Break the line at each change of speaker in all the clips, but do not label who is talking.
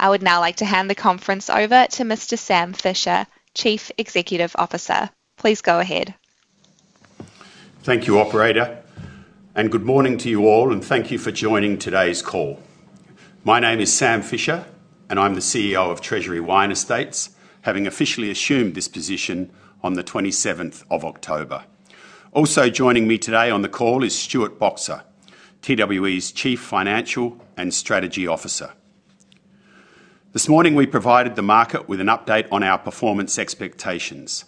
I would now like to hand the conference over to Mr. Sam Fischer, Chief Executive Officer. Please go ahead.
Thank you, Operator, and good morning to you all, and thank you for joining today's call. My name is Sam Fischer, and I'm the CEO of Treasury Wine Estates, having officially assumed this position on the 27th of October. Also joining me today on the call is Stuart Boxer, TWE's Chief Financial and Strategy Officer. This morning we provided the market with an update on our performance expectations,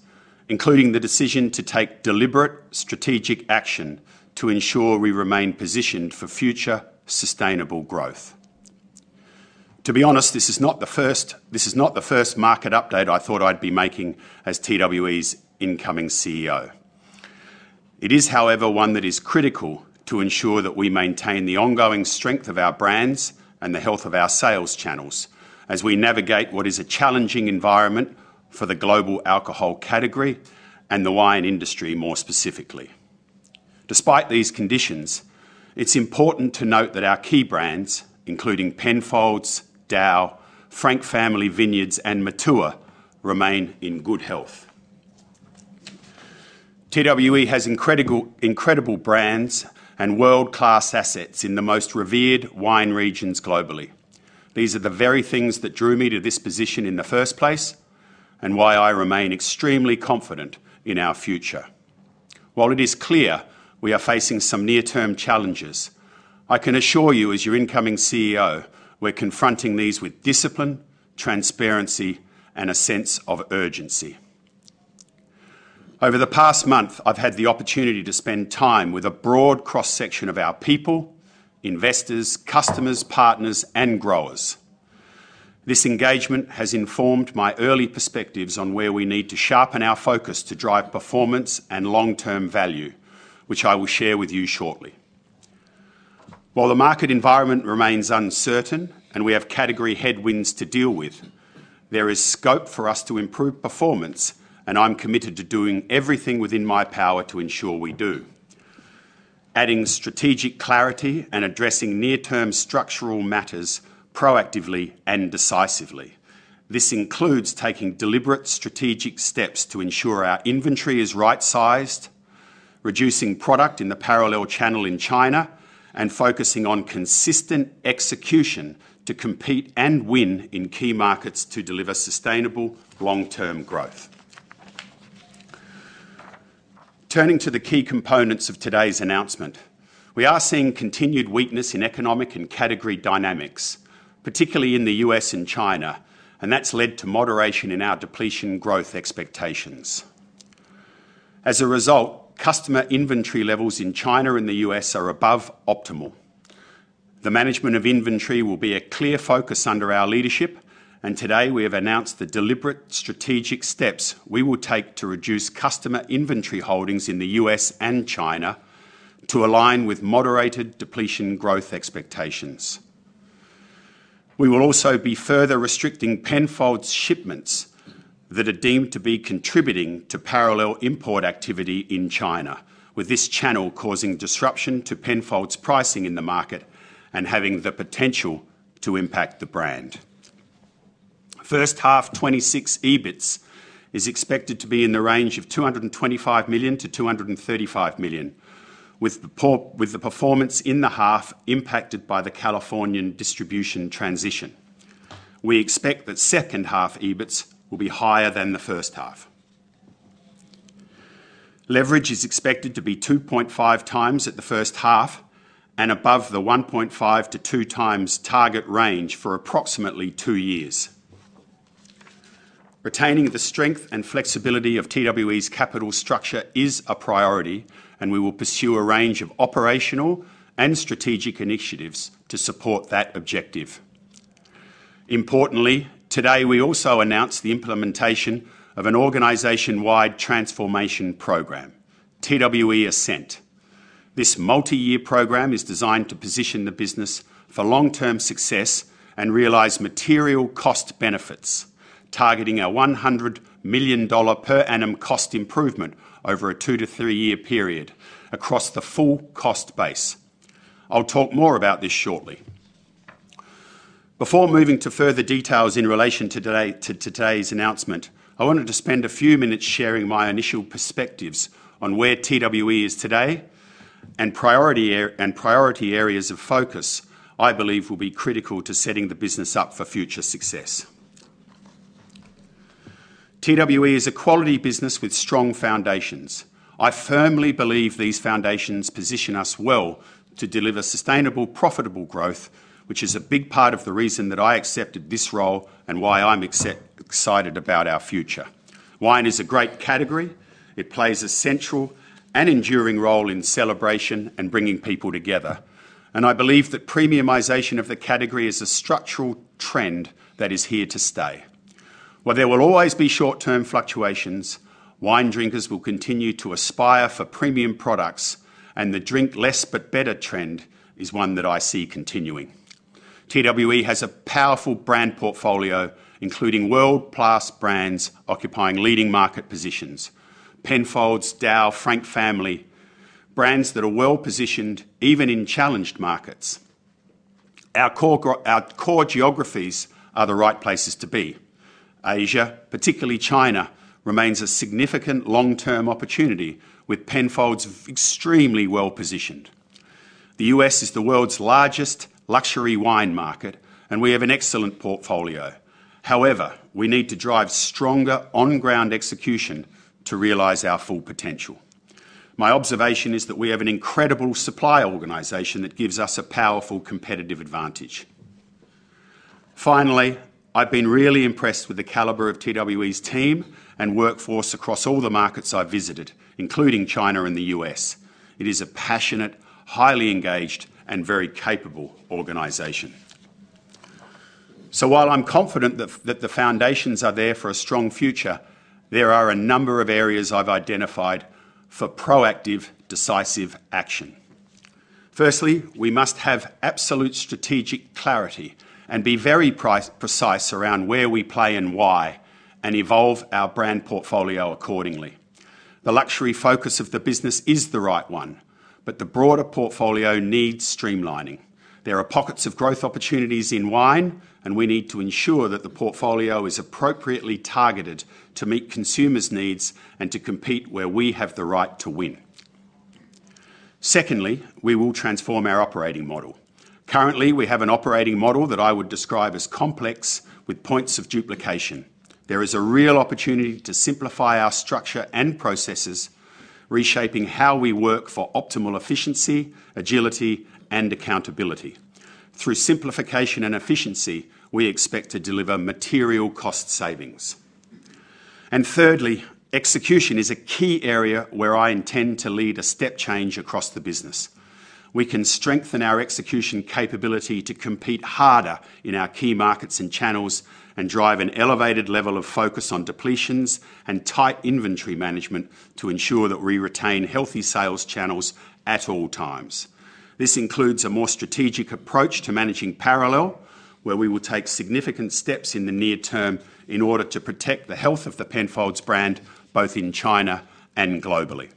including the decision to take deliberate strategic action to ensure we remain positioned for future sustainable growth. To be honest, this is not the first, this is not the first market update I thought I'd be making as TWE's incoming CEO. It is, however, one that is critical to ensure that we maintain the ongoing strength of our brands and the health of our sales channels as we navigate what is a challenging environment for the global alcohol category and the wine industry more specifically. Despite these conditions, it's important to note that our key brands, including Penfolds, DAOU, Frank Family Vineyards, and Matua, remain in good health. TWE has incredible brands and world-class assets in the most revered wine regions globally. These are the very things that drew me to this position in the first place and why I remain extremely confident in our future. While it is clear we are facing some near-term challenges, I can assure you, as your incoming CEO, we're confronting these with discipline, transparency, and a sense of urgency. Over the past month, I've had the opportunity to spend time with a broad cross-section of our people, investors, customers, partners, and growers. This engagement has informed my early perspectives on where we need to sharpen our focus to drive performance and long-term value, which I will share with you shortly. While the market environment remains uncertain and we have category headwinds to deal with, there is scope for us to improve performance, and I'm committed to doing everything within my power to ensure we do, adding strategic clarity and addressing near-term structural matters proactively and decisively. This includes taking deliberate strategic steps to ensure our inventory is right-sized, reducing product in the parallel channel in China, and focusing on consistent execution to compete and win in key markets to deliver sustainable long-term growth. Turning to the key components of today's announcement, we are seeing continued weakness in economic and category dynamics, particularly in the U.S. and China, and that's led to moderation in our depletion growth expectations. As a result, customer inventory levels in China and the U.S. are above optimal. The management of inventory will be a clear focus under our leadership, and today we have announced the deliberate strategic steps we will take to reduce customer inventory holdings in the U.S. and China to align with moderated depletion growth expectations. We will also be further restricting Penfolds' shipments that are deemed to be contributing to parallel import activity in China, with this channel causing disruption to Penfolds' pricing in the market and having the potential to impact the brand. First half 26 EBITS is expected to be in the range of 225 million-235 million, with the performance in the half impacted by the Californian distribution transition. We expect that second half EBITS will be higher than the first half. Leverage is expected to be 2.5x at the first half and above the 1.5-2x target range for approximately two years. Retaining the strength and flexibility of TWE's capital structure is a priority, and we will pursue a range of operational and strategic initiatives to support that objective. Importantly, today we also announced the implementation of an organization-wide transformation program, TWE Ascent. This multi-year program is designed to position the business for long-term success and realize material cost benefits, targeting an 100 million dollar per annum cost improvement over a two- to three-year period across the full cost base. I'll talk more about this shortly. Before moving to further details in relation to today's announcement, I wanted to spend a few minutes sharing my initial perspectives on where TWE is today and priority areas of focus I believe will be critical to setting the business up for future success. TWE is a quality business with strong foundations. I firmly believe these foundations position us well to deliver sustainable, profitable growth, which is a big part of the reason that I accepted this role and why I'm excited about our future. Wine is a great category. It plays a central and enduring role in celebration and bringing people together, and I believe that premiumization of the category is a structural trend that is here to stay. While there will always be short-term fluctuations, wine drinkers will continue to aspire for premium products, and the drink less but better trend is one that I see continuing. TWE has a powerful brand portfolio, including world-class brands occupying leading market positions: Penfolds, DAOU, and Frank Family, brands that are well-positioned even in challenged markets. Our core geographies are the right places to be. Asia, particularly China, remains a significant long-term opportunity, with Penfolds extremely well positioned. The U.S. is the world's largest luxury wine market, and we have an excellent portfolio. However, we need to drive stronger on-ground execution to realize our full potential. My observation is that we have an incredible supply organization that gives us a powerful competitive advantage. Finally, I've been really impressed with the caliber of TWE's team and workforce across all the markets I've visited, including China and the U.S. It is a passionate, highly engaged, and very capable organization. While I'm confident that the foundations are there for a strong future, there are a number of areas I've identified for proactive, decisive action. Firstly, we must have absolute strategic clarity and be very precise around where we play and why, and evolve our brand portfolio accordingly. The luxury focus of the business is the right one, but the broader portfolio needs streamlining. There are pockets of growth opportunities in wine, and we need to ensure that the portfolio is appropriately targeted to meet consumers' needs and to compete where we have the right to win. Secondly, we will transform our operating model. Currently, we have an operating model that I would describe as complex with points of duplication. There is a real opportunity to simplify our structure and processes, reshaping how we work for optimal efficiency, agility, and accountability. Through simplification and efficiency, we expect to deliver material cost savings. And thirdly, execution is a key area where I intend to lead a step change across the business. We can strengthen our execution capability to compete harder in our key markets and channels and drive an elevated level of focus on depletions and tight inventory management to ensure that we retain healthy sales channels at all times. This includes a more strategic approach to managing parallel, where we will take significant steps in the near term in order to protect the health of the Penfolds brand both in China and globally.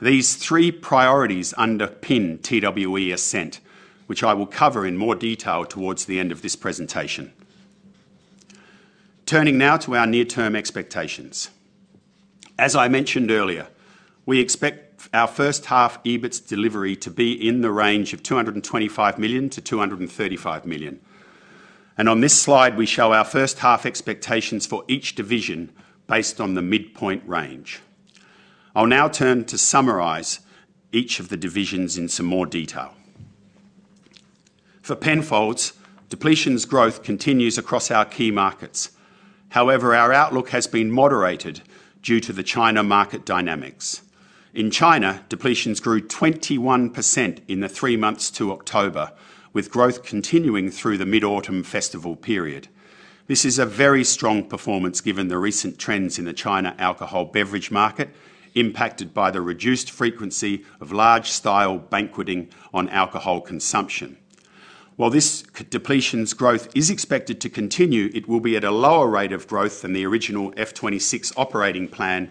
These three priorities underpin TWE Ascent, which I will cover in more detail towards the end of this presentation. Turning now to our near-term expectations. As I mentioned earlier, we expect our first half EBITS delivery to be in the range of 225 million-235 million. On this slide, we show our first half expectations for each division based on the midpoint range. I'll now turn to summarize each of the divisions in some more detail. For Penfolds, depletions growth continues across our key markets. However, our outlook has been moderated due to the China market dynamics. In China, depletions grew 21% in the three months to October, with growth continuing through the Mid-Autumn Festival period. This is a very strong performance given the recent trends in the China alcoholic beverage market, impacted by the reduced frequency of large-scale banqueting on alcohol consumption. While this depletions growth is expected to continue, it will be at a lower rate of growth than the original F26 operating plan,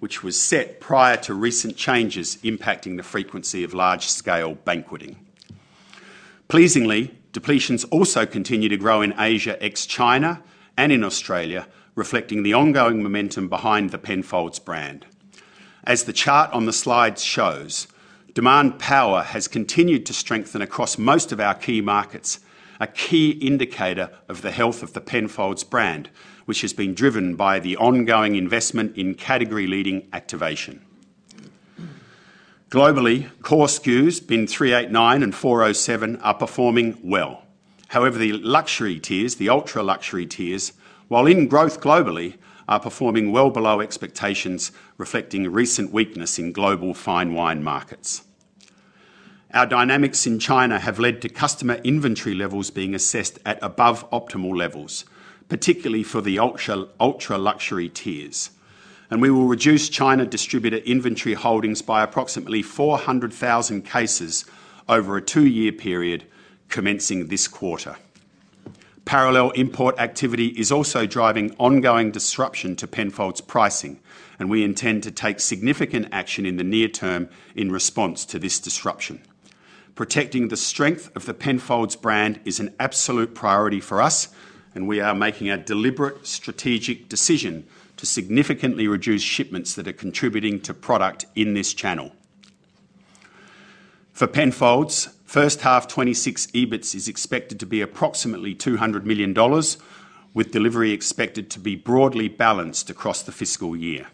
which was set prior to recent changes impacting the frequency of large-scale banqueting. Pleasingly, depletions also continue to grow in Asia ex-China and in Australia, reflecting the ongoing momentum behind the Penfolds brand. As the chart on the slide shows, demand power has continued to strengthen across most of our key markets, a key indicator of the health of the Penfolds brand, which has been driven by the ongoing investment in category-leading activation. Globally, core SKUs Bin 389 and 407 are performing well. However, the luxury tiers, the ultra-luxury tiers, while in growth globally, are performing well below expectations, reflecting recent weakness in global fine wine markets. Our dynamics in China have led to customer inventory levels being assessed at above optimal levels, particularly for the ultra-luxury tiers, and we will reduce China distributor inventory holdings by approximately 400,000 cases over a two-year period commencing this quarter. Parallel import activity is also driving ongoing disruption to Penfolds' pricing, and we intend to take significant action in the near term in response to this disruption. Protecting the strength of the Penfolds brand is an absolute priority for us, and we are making a deliberate strategic decision to significantly reduce shipments that are contributing to product in this channel. For Penfolds, first half 26 EBITS is expected to be approximately 200 million dollars, with delivery expected to be broadly balanced across the fiscal year.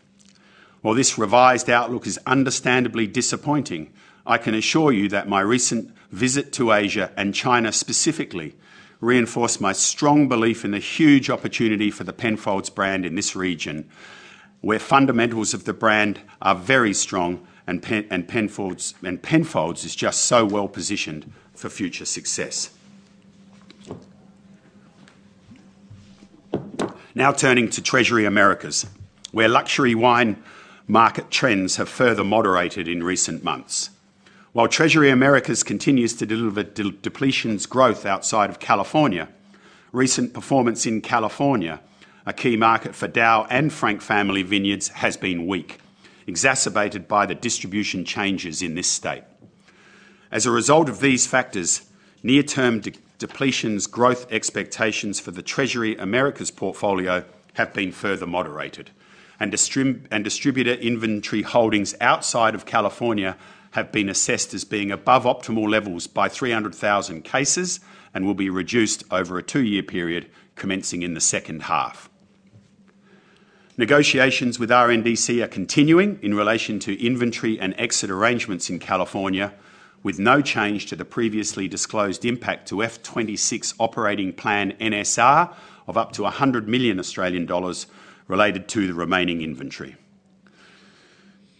While this revised outlook is understandably disappointing, I can assure you that my recent visit to Asia and China specifically reinforced my strong belief in the huge opportunity for the Penfolds brand in this region, where fundamentals of the brand are very strong, and Penfolds is just so well positioned for future success. Now turning to Treasury Americas, where luxury wine market trends have further moderated in recent months. While Treasury Americas continues to deliver depletions growth outside of California, recent performance in California, a key market for DAOU and Frank Family Vineyards, has been weak, exacerbated by the distribution changes in this state. As a result of these factors, near-term depletions growth expectations for the Treasury Americas portfolio have been further moderated, and distributor inventory holdings outside of California have been assessed as being above optimal levels by 300,000 cases and will be reduced over a two-year period commencing in the second half. Negotiations with RNDC are continuing in relation to inventory and exit arrangements in California, with no change to the previously disclosed impact to F26 operating plan NSR of up to $100 million related to the remaining inventory.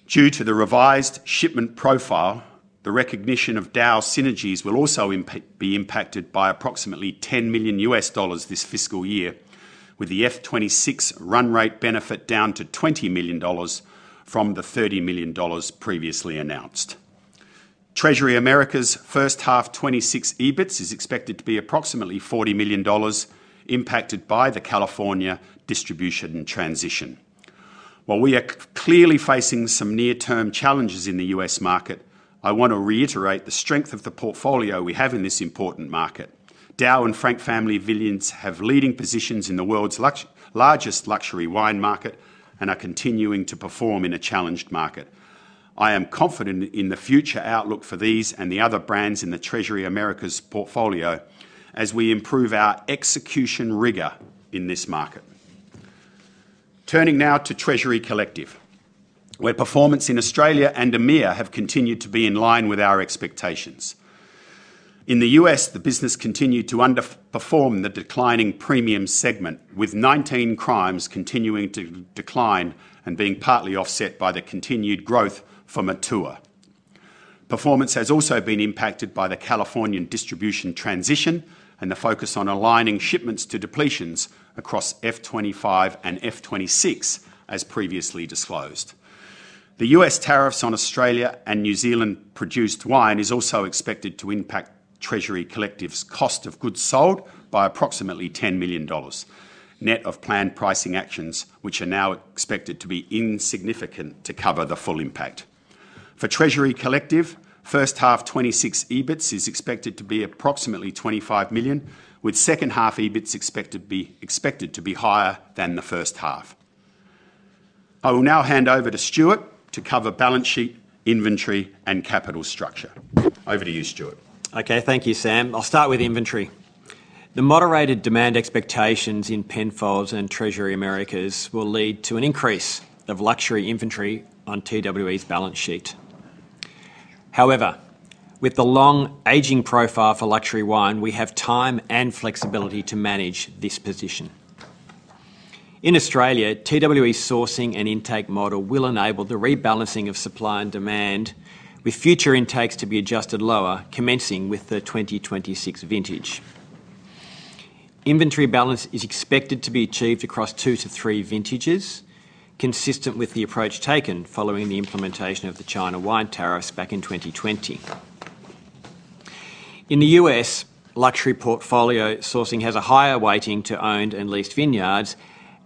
Due to the revised shipment profile, the recognition of DAOU synergies will also be impacted by approximately $10 million this fiscal year, with the F26 run rate benefit down to $20 million from the $30 million previously announced. Treasury Americas first half 26 EBITS is expected to be approximately $40 million, impacted by the California distribution transition. While we are clearly facing some near-term challenges in the U.S. market, I want to reiterate the strength of the portfolio we have in this important market. DAOU and Frank Family Vineyards have leading positions in the world's largest luxury wine market and are continuing to perform in a challenged market. I am confident in the future outlook for these and the other brands in the Treasury Americas portfolio as we improve our execution rigor in this market. Turning now to Treasury Collective, where performance in Australia and EMEA has continued to be in line with our expectations. In the U.S., the business continued to underperform the declining premium segment, with 19 Crimes continuing to decline and being partly offset by the continued growth for Matua. Performance has also been impacted by the Californian distribution transition and the focus on aligning shipments to depletions across F25 and F26, as previously disclosed. The U.S. tariffs on Australia and New Zealand-produced wine are also expected to impact Treasury Collective's cost of goods sold by approximately 10 million dollars net of planned pricing actions, which are now expected to be insignificant to cover the full impact. For Treasury Collective, first half '26 EBITS is expected to be approximately 25 million, with second half EBITS expected to be higher than the first half. I will now hand over to Stuart to cover balance sheet, inventory, and capital structure. Over to you, Stuart.
Okay, thank you, Sam. I'll start with inventory. The moderated demand expectations in Penfolds and Treasury Americas will lead to an increase of luxury inventory on TWE's balance sheet. However, with the long-aging profile for luxury wine, we have time and flexibility to manage this position. In Australia, TWE's sourcing and intake model will enable the rebalancing of supply and demand, with future intakes to be adjusted lower, commencing with the 2026 vintage. Inventory balance is expected to be achieved across two to three vintages, consistent with the approach taken following the implementation of the China wine tariffs back in 2020. In the U.S., luxury portfolio sourcing has a higher weighting to owned and leased vineyards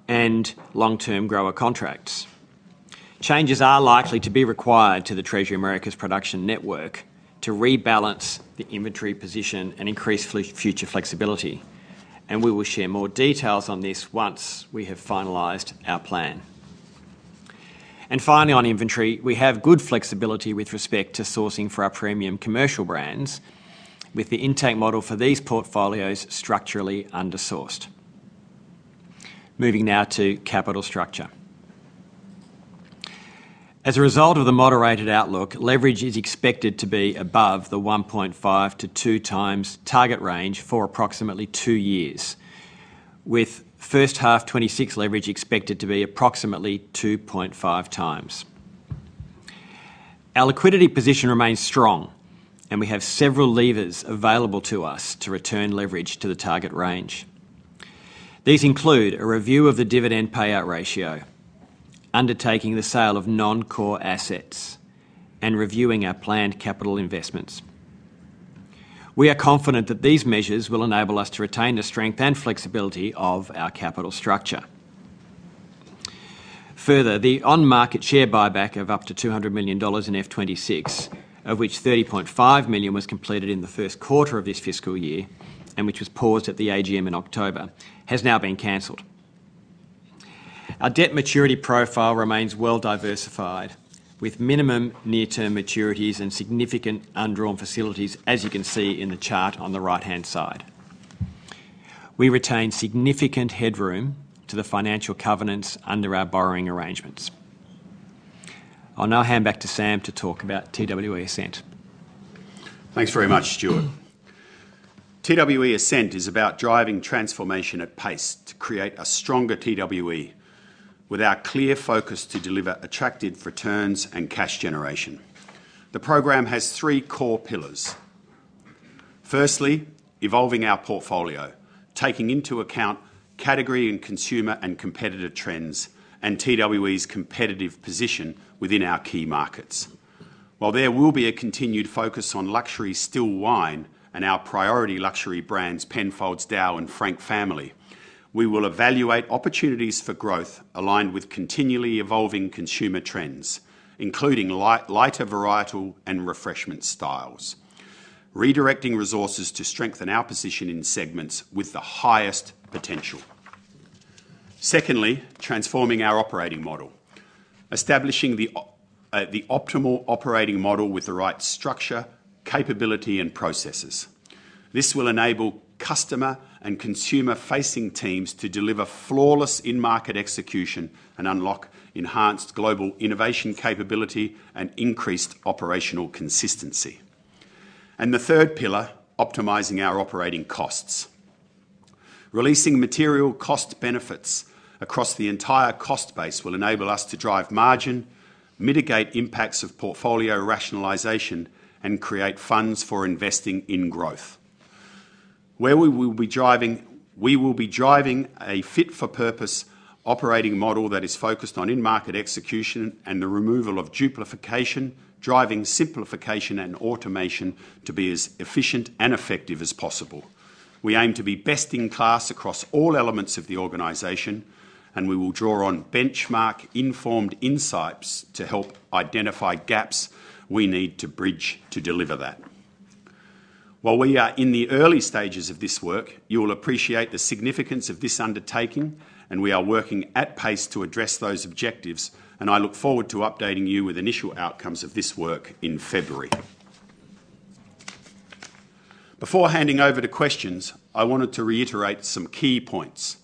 and long-term grower contracts. Changes are likely to be required to the Treasury Americas production network to rebalance the inventory position and increase future flexibility, and we will share more details on this once we have finalized our plan. Finally, on inventory, we have good flexibility with respect to sourcing for our premium commercial brands, with the intake model for these portfolios structurally undersourced. Moving now to capital structure. As a result of the moderated outlook, leverage is expected to be above the 1.5-2x target range for approximately two years, with first half 2026 leverage expected to be approximately 2.5x. Our liquidity position remains strong, and we have several levers available to us to return leverage to the target range. These include a review of the dividend payout ratio, undertaking the sale of non-core assets, and reviewing our planned capital investments. We are confident that these measures will enable us to retain the strength and flexibility of our capital structure. Further, the on-market share buyback of up to 200 million dollars in F26, of which 30.5 million was completed in the first quarter of this fiscal year and which was paused at the AGM in October, has now been cancelled. Our debt maturity profile remains well diversified, with minimum near-term maturities and significant undrawn facilities, as you can see in the chart on the right-hand side. We retain significant headroom to the financial covenants under our borrowing arrangements. I'll now hand back to Sam to talk about TWE Ascent.
Thanks very much, Stuart. TWE Ascent is about driving transformation at pace to create a stronger TWE with our clear focus to deliver attractive returns and cash generation. The program has three core pillars. Firstly, evolving our portfolio, taking into account category and consumer and competitor trends, and TWE's competitive position within our key markets. While there will be a continued focus on luxury still wine and our priority luxury brands, Penfolds, DAOU, and Frank Family, we will evaluate opportunities for growth aligned with continually evolving consumer trends, including lighter varietal and refreshment styles, redirecting resources to strengthen our position in segments with the highest potential. Secondly, transforming our operating model, establishing the optimal operating model with the right structure, capability, and processes. This will enable customer and consumer-facing teams to deliver flawless in-market execution and unlock enhanced global innovation capability and increased operational consistency. And the third pillar, optimizing our operating costs. Releasing material cost benefits across the entire cost base will enable us to drive margin, mitigate impacts of portfolio rationalisation, and create funds for investing in growth. Where we will be driving, we will be driving a fit-for-purpose operating model that is focused on in-market execution and the removal of duplication, driving simplification and automation to be as efficient and effective as possible. We aim to be best in class across all elements of the organization, and we will draw on benchmark-informed insights to help identify gaps we need to bridge to deliver that. While we are in the early stages of this work, you will appreciate the significance of this undertaking, and we are working at pace to address those objectives, and I look forward to updating you with initial outcomes of this work in February. Before handing over to questions, I wanted to reiterate some key points.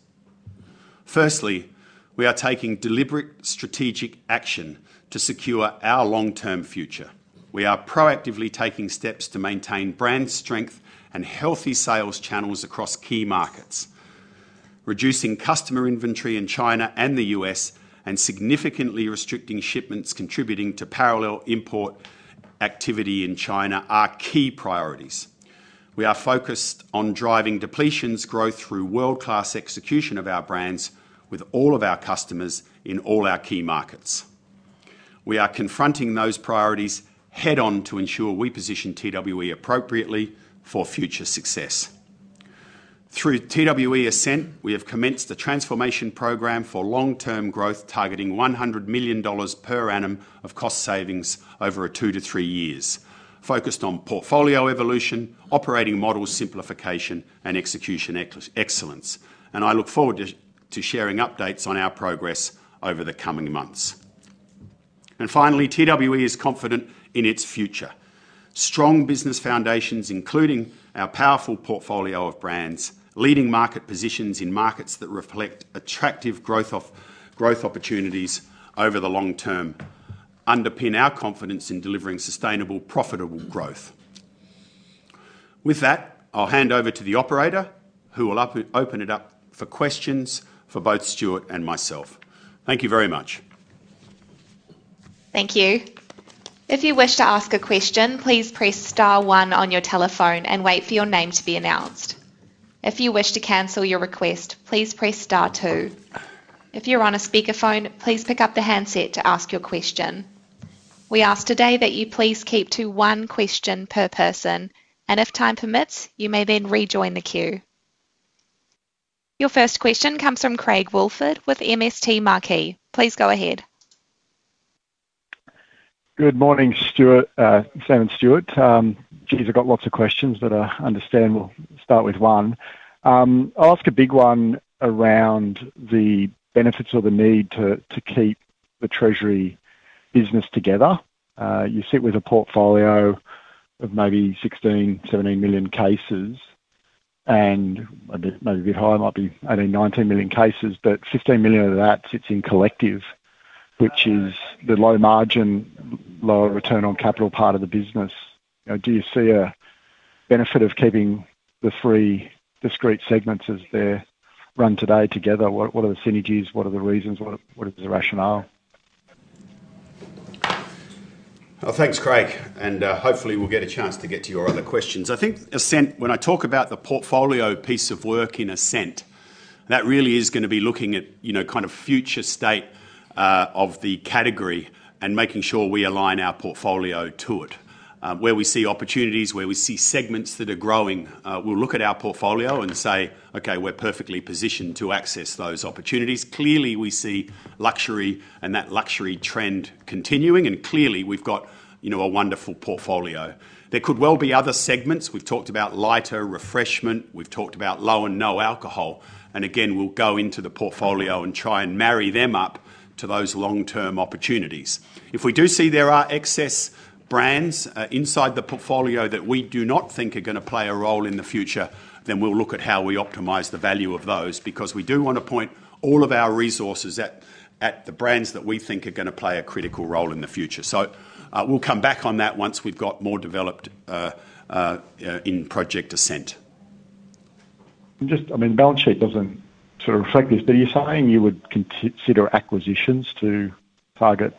Firstly, we are taking deliberate strategic action to secure our long-term future. We are proactively taking steps to maintain brand strength and healthy sales channels across key markets. Reducing customer inventory in China and the U.S. and significantly restricting shipments contributing to parallel import activity in China are key priorities. We are focused on driving depletions growth through world-class execution of our brands with all of our customers in all our key markets. We are confronting those priorities head-on to ensure we position TWE appropriately for future success. Through TWE Ascent, we have commenced a transformation program for long-term growth targeting 100 million dollars per annum of cost savings over two to three years, focused on portfolio evolution, operating model simplification, and execution excellence, and I look forward to sharing updates on our progress over the coming months. And finally, TWE is confident in its future. Strong business foundations, including our powerful portfolio of brands, leading market positions in markets that reflect attractive growth opportunities over the long term, underpin our confidence in delivering sustainable, profitable growth. With that, I'll hand over to the operator, who will open it up for questions for both Stuart and myself. Thank you very much.
Thank you. If you wish to ask a question, please press star one on your telephone and wait for your name to be announced. If you wish to cancel your request, please press star two. If you're on a speaker phone, please pick up the handset to ask your question. We ask today that you please keep to one question per person, and if time permits, you may then rejoin the queue. Your first question comes from Craig Woolford with MST Marquee. Please go ahead.
Good morning, Stuart. Sam and Stuart. Geez, I've got lots of questions, but I understand we'll start with one. I'll ask a big one around the benefits or the need to keep the Treasury business together. You sit with a portfolio of maybe 16-17 million cases, and maybe a bit higher, might be 18-19 million cases, but 15 million of that sits in Collective, which is the low margin, lower return on capital part of the business. Do you see a benefit of keeping the three discrete segments as they're run today together? What are the synergies? What are the reasons? What is the rationale?
Well, thanks, Craig, and hopefully we'll get a chance to get to your other questions. I think when I talk about the portfolio piece of work in Ascent, that really is going to be looking at kind of future state of the category and making sure we align our portfolio to it. Where we see opportunities, where we see segments that are growing, we'll look at our portfolio and say, "Okay, we're perfectly positioned to access those opportunities." Clearly, we see luxury and that luxury trend continuing, and clearly we've got a wonderful portfolio. There could well be other segments. We've talked about lighter refreshment. We've talked about low and no alcohol. And again, we'll go into the portfolio and try and marry them up to those long-term opportunities. If we do see there are excess brands inside the portfolio that we do not think are going to play a role in the future, then we'll look at how we optimize the value of those because we do want to point all of our resources at the brands that we think are going to play a critical role in the future. So we'll come back on that once we've got more developed in project Ascent.
I mean, the balance sheet doesn't sort of reflect this, but are you saying you would consider acquisitions to target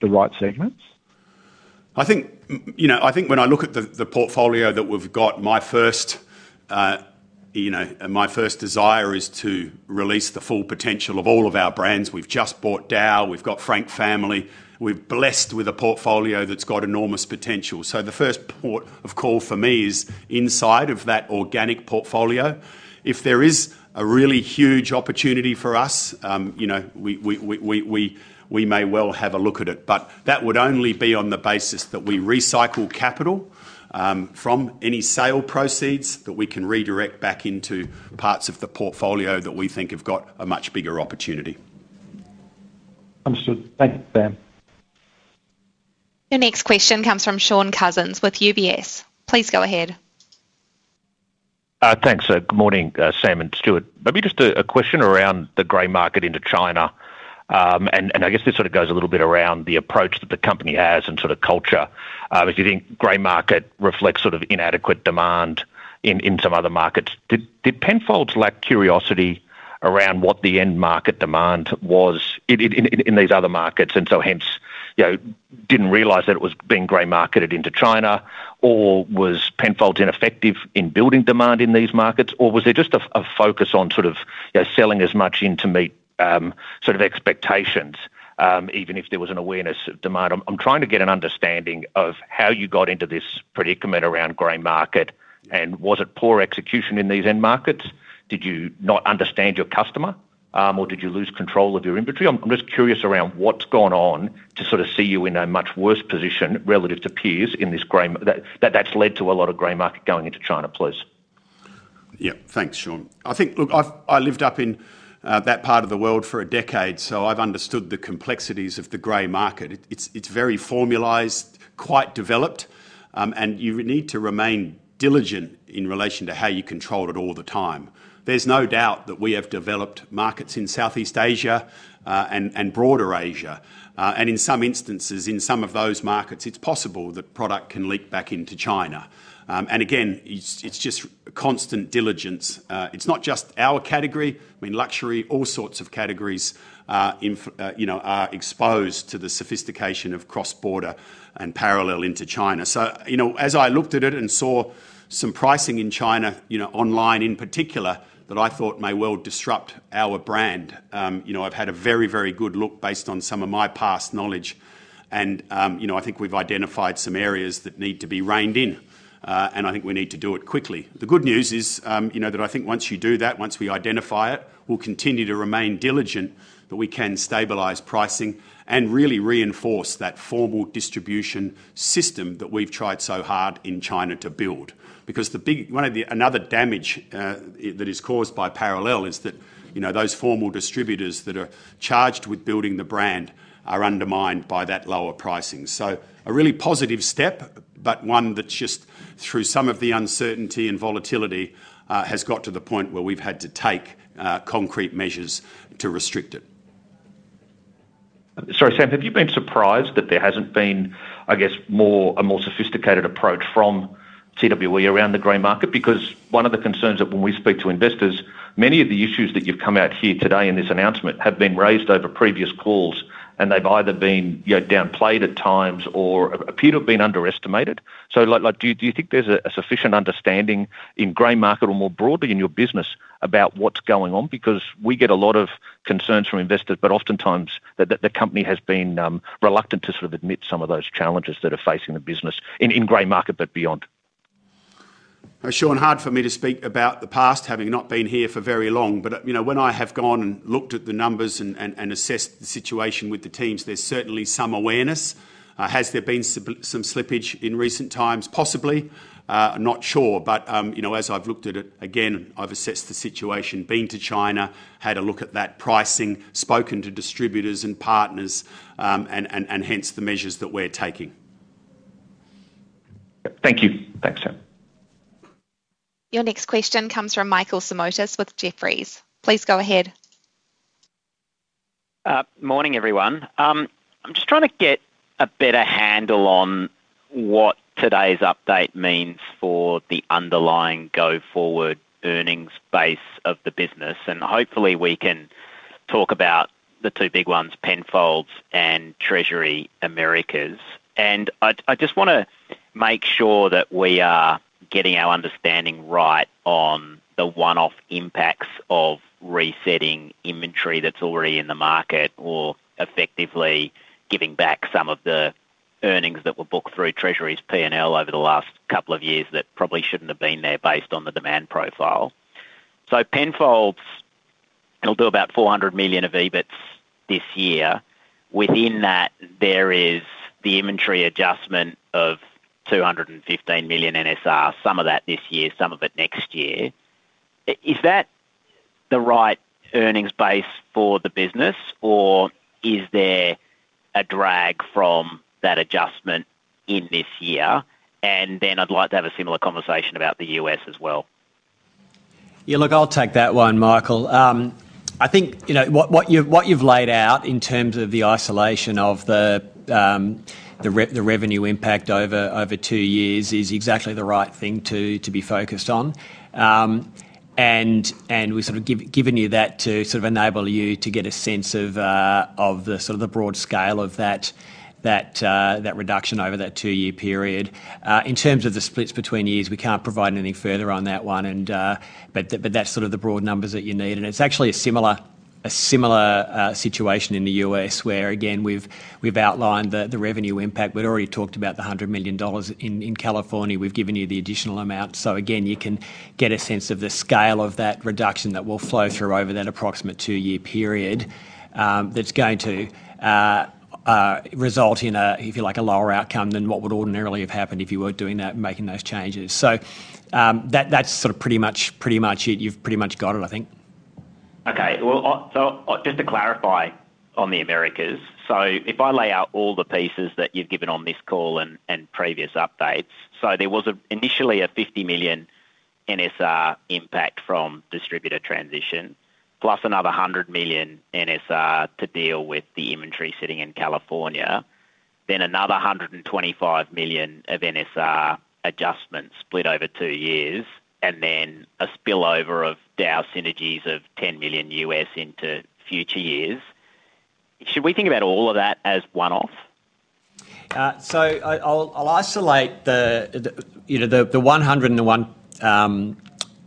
the right segments?
I think when I look at the portfolio that we've got, my first desire is to release the full potential of all of our brands. We've just bought DAOU. We've got Frank Family. We're blessed with a portfolio that's got enormous potential. So the first port of call for me is inside of that organic portfolio. If there is a really huge opportunity for us, we may well have a look at it, but that would only be on the basis that we recycle capital from any sale proceeds that we can redirect back into parts of the portfolio that we think have got a much bigger opportunity.
Understood. Thank you, Sam.
Your next question comes from Shaun Cousins with UBS. Please go ahead.
Thanks. Good morning, Sam and Stuart. Maybe just a question around the gray market into China, and I guess this sort of goes a little bit around the approach that the company has and sort of culture. If you think gray market reflects sort of inadequate demand in some other markets, did Penfolds lack curiosity around what the end market demand was in these other markets and so hence didn't realize that it was being gray marketed into China? Or was Penfolds ineffective in building demand in these markets? Or was there just a focus on sort of selling as much in to meet sort of expectations, even if there was an awareness of demand? I'm trying to get an understanding of how you got into this predicament around gray market, and was it poor execution in these end markets? Did you not understand your customer, or did you lose control of your inventory? I'm just curious around what's gone on to sort of see you in a much worse position relative to peers in this gray that's led to a lot of gray market going into China, please.
Yeah, thanks, Shaun. I think, look, I lived up in that part of the world for a decade, so I've understood the complexities of the gray market. It's very formalized, quite developed, and you need to remain diligent in relation to how you control it all the time. There's no doubt that we have developed markets in Southeast Asia and broader Asia, and in some instances, in some of those markets, it's possible that product can leak back into China. And again, it's just constant diligence. It's not just our category. I mean, luxury, all sorts of categories are exposed to the sophistication of cross-border and parallel into China. So as I looked at it and saw some pricing in China, online in particular, that I thought may well disrupt our brand, I've had a very, very good look based on some of my past knowledge, and I think we've identified some areas that need to be reined in, and I think we need to do it quickly. The good news is that I think once you do that, once we identify it, we'll continue to remain diligent that we can stabilize pricing and really reinforce that formal distribution system that we've tried so hard in China to build. Because one of the other damages that is caused by parallel is that those formal distributors that are charged with building the brand are undermined by that lower pricing. So a really positive step, but one that's just, through some of the uncertainty and volatility, has got to the point where we've had to take concrete measures to restrict it.
Sorry, Sam, have you been surprised that there hasn't been, I guess, a more sophisticated approach from TWE around the gray market? Because one of the concerns that, when we speak to investors, many of the issues that you've come out here today in this announcement have been raised over previous calls, and they've either been downplayed at times or appear to have been underestimated. So do you think there's a sufficient understanding in gray market or more broadly in your business about what's going on? Because we get a lot of concerns from investors, but oftentimes the company has been reluctant to sort of admit some of those challenges that are facing the business in gray market, but beyond.
Shaun, hard for me to speak about the past, having not been here for very long, but when I have gone and looked at the numbers and assessed the situation with the teams, there's certainly some awareness. Has there been some slippage in recent times? Possibly. Not sure, but as I've looked at it again, I've assessed the situation, been to China, had a look at that pricing, spoken to distributors and partners, and hence the measures that we're taking.
Thank you. Thanks, Sam.
Your next question comes from Michael Simotas with Jefferies. Please go ahead.
Morning, everyone. I'm just trying to get a better handle on what today's update means for the underlying go-forward earnings base of the business, and hopefully we can talk about the two big ones, Penfolds and Treasury Americas. And I just want to make sure that we are getting our understanding right on the one-off impacts of resetting inventory that's already in the market or effectively giving back some of the earnings that were booked through Treasury's P&L over the last couple of years that probably shouldn't have been there based on the demand profile. So Penfolds will do about 400 million of EBITS this year. Within that, there is the inventory adjustment of 215 million NSR, some of that this year, some of it next year. Is that the right earnings base for the business, or is there a drag from that adjustment in this year? And then I'd like to have a similar conversation about the U.S. as well.
Yeah, look, I'll take that one, Michael. I think what you've laid out in terms of the isolation of the revenue impact over two years is exactly the right thing to be focused on, and we've sort of given you that to sort of enable you to get a sense of the sort of the broad scale of that reduction over that two-year period. In terms of the splits between years, we can't provide anything further on that one, but that's sort of the broad numbers that you need. And it's actually a similar situation in the U.S. where, again, we've outlined the revenue impact. We'd already talked about the $100 million in California. We've given you the additional amount. So again, you can get a sense of the scale of that reduction that will flow through over that approximate two-year period that's going to result in, if you like, a lower outcome than what would ordinarily have happened if you were doing that and making those changes. So that's sort of pretty much it. You've pretty much got it, I think.
Okay. Just to clarify on the Americas. If I lay out all the pieces that you've given on this call and previous updates, there was initially a 50 million NSR impact from distributor transition, plus another 100 million NSR to deal with the inventory sitting in California, then another 125 million of NSR adjustments split over two years, and then a spillover of DAOU synergies of $10 million U.S. into future years. Should we think about all of that as one-off?
I'll isolate the 100 and the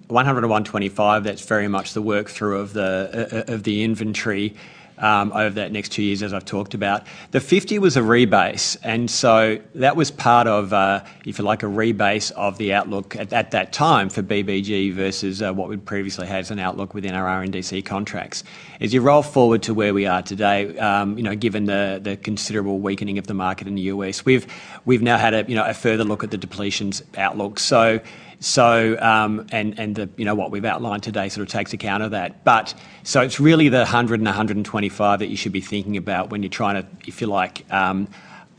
125. That's very much the work through of the inventory over that next two years, as I've talked about. The 50 was a rebase, and so that was part of, if you like, a rebase of the outlook at that time for BBG versus what we previously had as an outlook within our RNDC contracts. As you roll forward to where we are today, given the considerable weakening of the market in the U.S., we've now had a further look at the depletions outlook, and what we've outlined today sort of takes account of that. But so it's really the 100 and the 125 that you should be thinking about when you're trying to, if you like,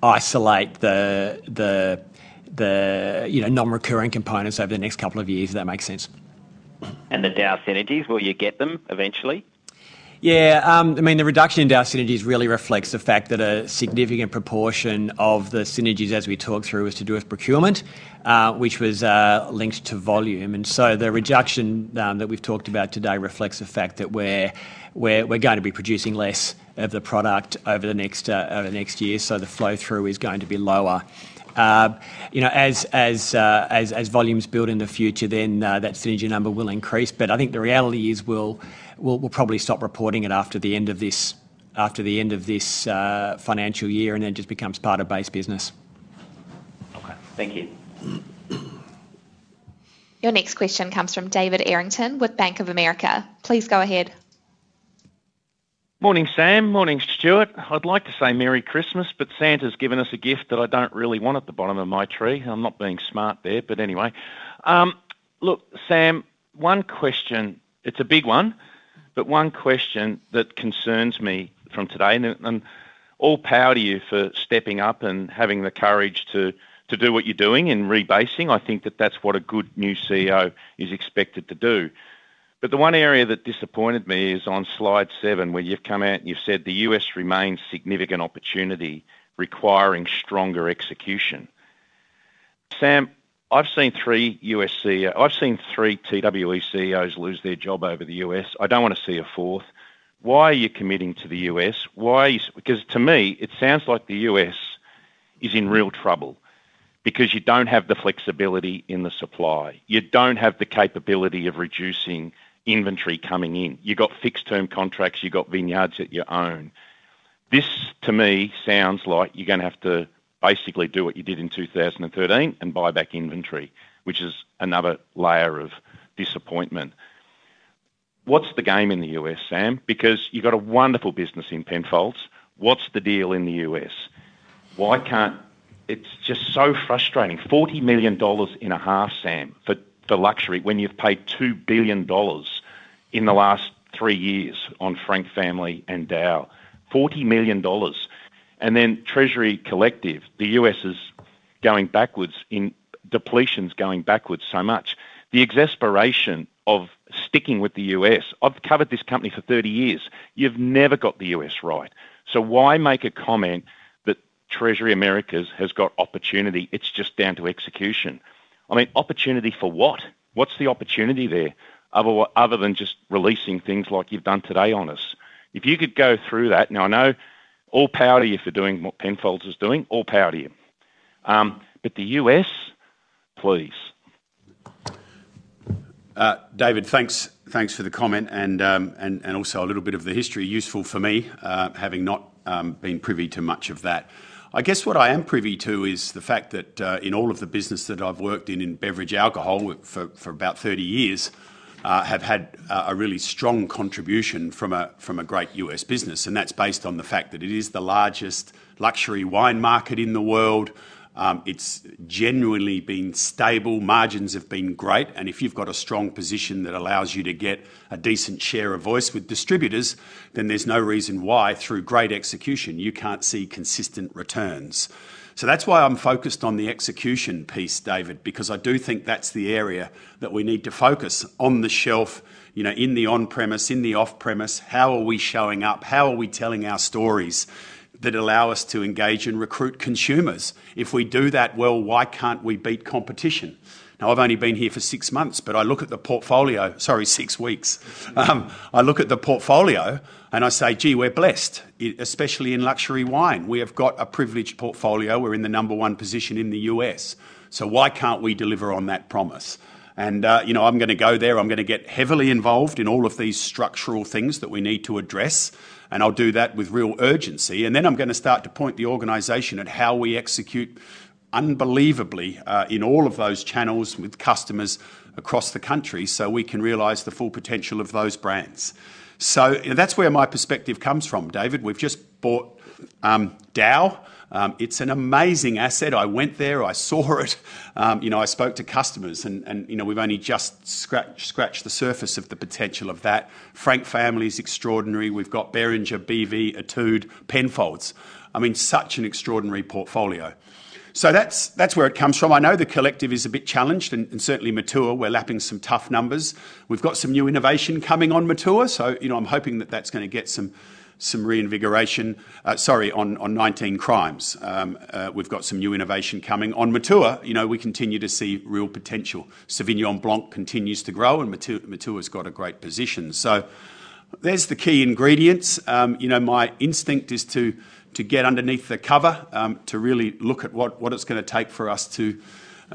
isolate the non-recurring components over the next couple of years, if that makes sense.
And the DAOU synergies, will you get them eventually?
Yeah. I mean, the reduction in DAOU synergies really reflects the fact that a significant proportion of the synergies, as we talked through, was to do with procurement, which was linked to volume. And so the reduction that we've talked about today reflects the fact that we're going to be producing less of the product over the next year, so the flow-through is going to be lower. As volumes build in the future, then that synergy number will increase, but I think the reality is we'll probably stop reporting it after the end of this financial year and then just becomes part of base business.
Okay. Thank you.
Your next question comes from David Errington with Bank of America. Please go ahead.
Morning, Sam. Morning, Stuart. I'd like to say Merry Christmas, but Santa's given us a gift that I don't really want at the bottom of my tree. I'm not being smart there, but anyway. Look, Sam, one question. It's a big one, but one question that concerns me from today, and all power to you for stepping up and having the courage to do what you're doing in rebasing. I think that that's what a good new CEO is expected to do. But the one area that disappointed me is on slide seven, where you've come out and you've said the U.S. remains significant opportunity requiring stronger execution. Sam, I've seen three U.S. CEOs I've seen three TWE CEOs lose their job over the U.S. I don't want to see a fourth. Why are you committing to the U.S.? Because to me, it sounds like the U.S. is in real trouble because you don't have the flexibility in the supply. You don't have the capability of reducing inventory coming in. You've got fixed-term contracts. You've got vineyards that you own. This, to me, sounds like you're going to have to basically do what you did in 2013 and buy back inventory, which is another layer of disappointment. What's the game in the U.S., Sam? Because you've got a wonderful business in Penfolds. What's the deal in the U.S.? It's just so frustrating. $40 million, Sam, for luxury when you've paid $2 billion in the last three years on Frank Family and DAOU. $40 million. And then Treasury Collective, the U.S. is going backwards in depletions going backwards so much. The exasperation of sticking with the U.S. I've covered this company for 30 years. You've never got the U.S. right. So why make a comment that Treasury Americas has got opportunity? It's just down to execution. I mean, opportunity for what? What's the opportunity there other than just releasing things like you've done today on us? If you could go through that, now I know all power to you for doing what Penfolds is doing. All power to you. But the U.S., please.
David, thanks for the comment and also a little bit of the history. Useful for me, having not been privy to much of that. I guess what I am privy to is the fact that in all of the business that I've worked in, in beverage alcohol for about 30 years, I have had a really strong contribution from a great U.S. business, and that's based on the fact that it is the largest luxury wine market in the world. It's genuinely been stable. Margins have been great, and if you've got a strong position that allows you to get a decent share of voice with distributors, then there's no reason why, through great execution, you can't see consistent returns. So that's why I'm focused on the execution piece, David, because I do think that's the area that we need to focus on the shelf, in the on-premise, in the off-premise. How are we showing up? How are we telling our stories that allow us to engage and recruit consumers? If we do that well, why can't we beat competition? Now, I've only been here for six months, but I look at the portfolio - sorry, six weeks. I look at the portfolio and I say, "Gee, we're blessed, especially in luxury wine. We have got a privileged portfolio. We're in the number one position in the U.S. So why can't we deliver on that promise?" And I'm going to go there. I'm going to get heavily involved in all of these structural things that we need to address, and I'll do that with real urgency. And then I'm going to start to point the organization at how we execute unbelievably in all of those channels with customers across the country so we can realize the full potential of those brands. So that's where my perspective comes from, David. We've just bought DAOU. It's an amazing asset. I went there. I saw it. I spoke to customers, and we've only just scratched the surface of the potential of that. Frank Family is extraordinary. We've got Beringer, BV, Etude, and Penfolds. I mean, such an extraordinary portfolio. So that's where it comes from. I know the collective is a bit challenged and certainly mature. We're lapping some tough numbers. We've got some new innovation coming on mature, so I'm hoping that that's going to get some reinvigoration. Sorry, on 19 Crimes, we've got some new innovation coming. On Matua, we continue to see real potential. Sauvignon Blanc continues to grow, and Matua has got a great position. So there's the key ingredients. My instinct is to get underneath the cover to really look at what it's going to take for us to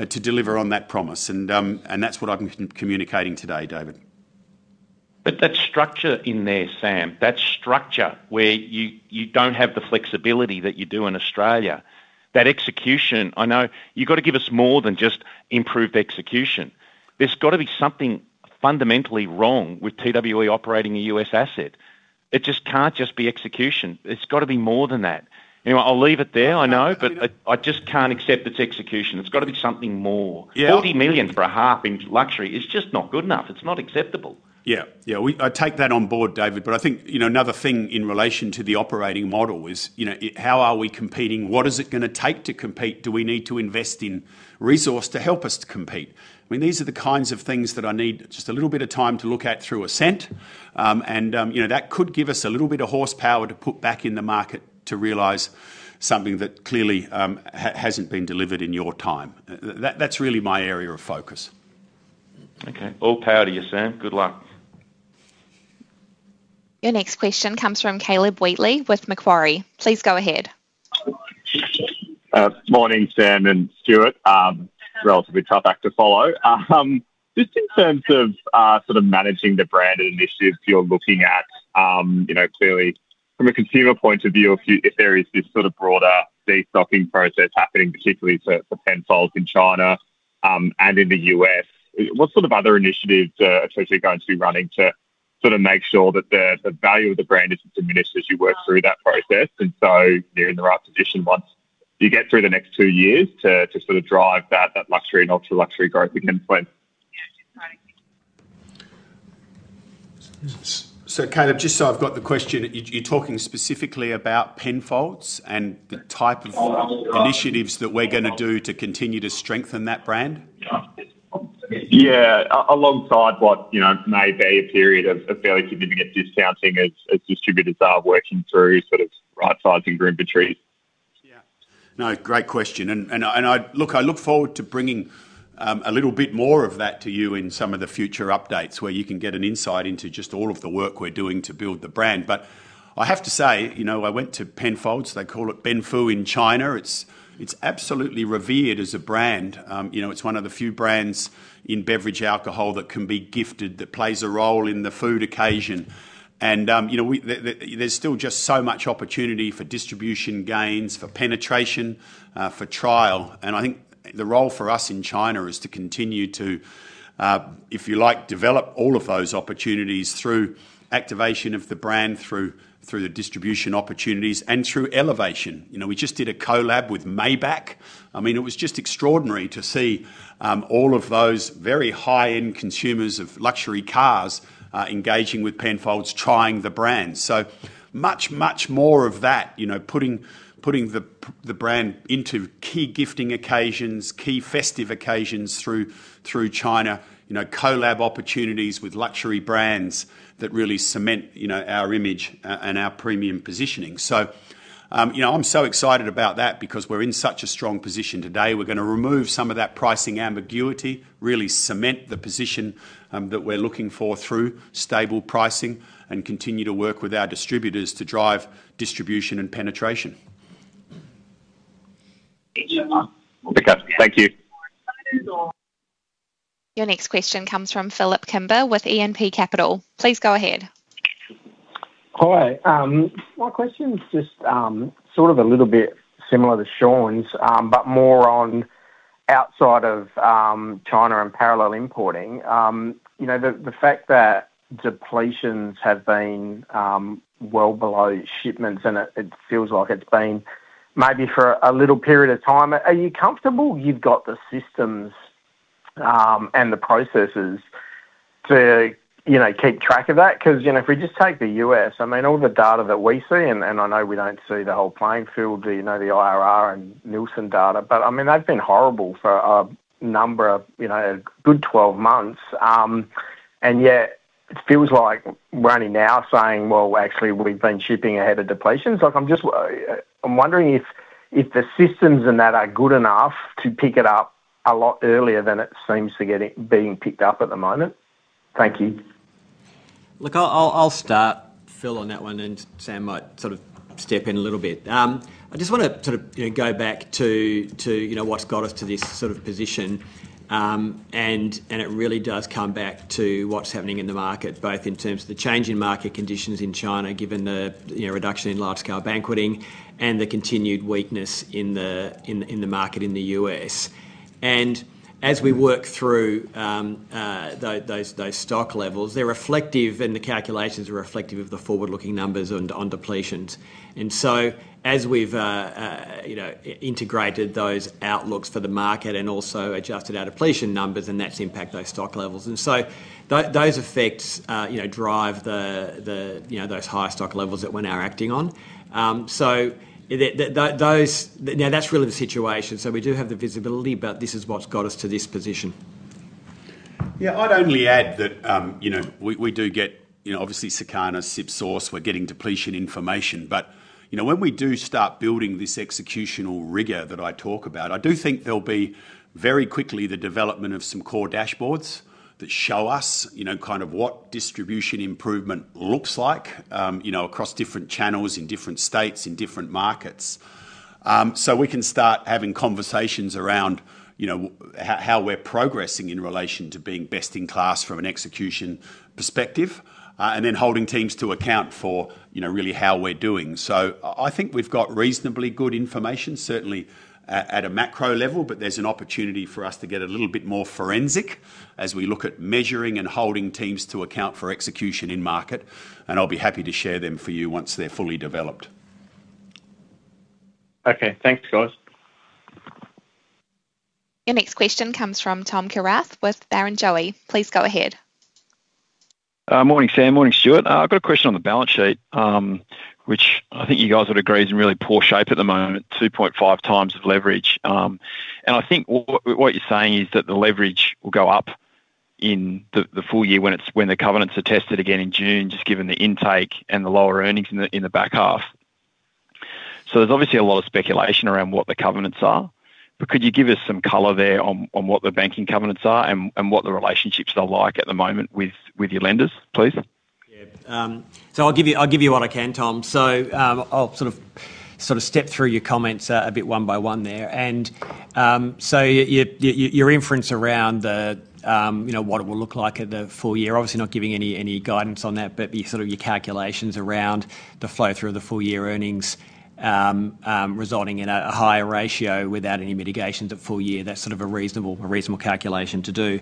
deliver on that promise, and that's what I'm communicating today, David.
But that structure in there, Sam, that structure where you don't have the flexibility that you do in Australia, that execution, I know you've got to give us more than just improved execution. There's got to be something fundamentally wrong with TWE operating a U.S. asset. It just can't just be execution. It's got to be more than that. I'll leave it there, I know, but I just can't accept it's execution. It's got to be something more. 40 million for a half in luxury is just not good enough. It's not acceptable. Yeah.
Yeah. I take that on board, David, but I think another thing in relation to the operating model is how are we competing? What is it going to take to compete? Do we need to invest in resource to help us to compete? I mean, these are the kinds of things that I need just a little bit of time to look at through Ascent, and that could give us a little bit of horsepower to put back in the market to realize something that clearly hasn't been delivered in your time. That's really my area of focus.
Okay. All power to you, Sam. Good luck.
Your next question comes from Caleb Wheatley with Macquarie. Please go ahead.
Morning, Sam and Stuart. Relatively tough act to follow. Just in terms of sort of managing the brand initiatives you're looking at, clearly, from a consumer point of view, if there is this sort of broader de-stocking process happening, particularly for Penfolds in China and in the U.S., what sort of other initiatives are you going to be running to sort of make sure that the value of the brand isn't diminished as you work through that process? And so you're in the right position once you get through the next two years to sort of drive that luxury and ultra-luxury growth against them?
So, Caleb, just so I've got the question, you're talking specifically about Penfolds and the type of initiatives that we're going to do to continue to strengthen that brand?
Yeah. Alongside what may be a period of fairly significant discounting as distributors are working through sort of right-sizing their inventories.
Yeah. No, great question. Look, I look forward to bringing a little bit more of that to you in some of the future updates where you can get an insight into just all of the work we're doing to build the brand. But I have to say, I went to Penfolds. They call it Ben Fu in China. It's absolutely revered as a brand. It's one of the few brands in beverage alcohol that can be gifted, that plays a role in the food occasion. And there's still just so much opportunity for distribution gains, for penetration, for trial. And I think the role for us in China is to continue to, if you like, develop all of those opportunities through activation of the brand, through the distribution opportunities, and through elevation. We just did a collab with Maybach. I mean, it was just extraordinary to see all of those very high-end consumers of luxury cars engaging with Penfolds, trying the brand. So much, much more of that, putting the brand into key gifting occasions, key festive occasions through China, collab opportunities with luxury brands that really cement our image and our premium positioning. So I'm so excited about that because we're in such a strong position today. We're going to remove some of that pricing ambiguity, really cement the position that we're looking for through stable pricing and continue to work with our distributors to drive distribution and penetration.
Thank you.
Your next question comes from Phillip Kimber with E&P Capital. Please go ahead.
Hi. My question's just sort of a little bit similar to Shaun's, but more on outside of China and parallel importing. The fact that depletions have been well below shipments, and it feels like it's been maybe for a little period of time. Are you comfortable you've got the systems and the processes to keep track of that? Because if we just take the U.S., I mean, all the data that we see, and I know we don't see the whole playing field, the IRI and Nielsen data, but I mean, they've been horrible for a number of good 12 months. And yet it feels like we're only now saying, "Well, actually, we've been shipping ahead of depletions." I'm wondering if the systems in that are good enough to pick it up a lot earlier than it seems to be being picked up at the moment. Thank you.
Look, I'll start, Phil, on that one, and Sam might sort of step in a little bit. I just want to sort of go back to what's got us to this sort of position, and it really does come back to what's happening in the market, both in terms of the changing market conditions in China, given the reduction in large-scale banqueting and the continued weakness in the market in the U.S. And as we work through those stock levels, they're reflective, and the calculations are reflective of the forward-looking numbers on depletions. And so as we've integrated those outlooks for the market and also adjusted our depletion numbers, and that's impacted those stock levels. And so those effects drive those high stock levels that we're now acting on. So now that's really the situation. So we do have the visibility, but this is what's got us to this position.
Yeah. I'd only add that we do get, obviously, Circana and SipSource. We're getting depletion information. But when we do start building this executional rigor that I talk about, I do think there'll be very quickly the development of some core dashboards that show us kind of what distribution improvement looks like across different channels in different states, in different markets. So we can start having conversations around how we're progressing in relation to being best in class from an execution perspective and then holding teams to account for really how we're doing. So I think we've got reasonably good information, certainly at a macro level, but there's an opportunity for us to get a little bit more forensic as we look at measuring and holding teams to account for execution in market. And I'll be happy to share them for you once they're fully developed.
Okay. Thanks, guys.
Your next question comes from Tom Kierath with Barrenjoey. Please go ahead.
Morning, Sam. Morning, Stuart. I've got a question on the balance sheet, which I think you guys would agree is in really poor shape at the moment, 2.5x of leverage. And I think what you're saying is that the leverage will go up in the full year when the covenants are tested again in June, just given the intake and the lower earnings in the back half. So there's obviously a lot of speculation around what the covenants are. But could you give us some color there on what the banking covenants are and what the relationships are like at the moment with your lenders, please?
Yeah. So I'll give you what I can, Tom. So I'll sort of step through your comments a bit one by one there. And so your inference around what it will look like in the full year, obviously not giving any guidance on that, but sort of your calculations around the flow through the full year earnings resulting in a higher ratio without any mitigations at full year, that's sort of a reasonable calculation to do.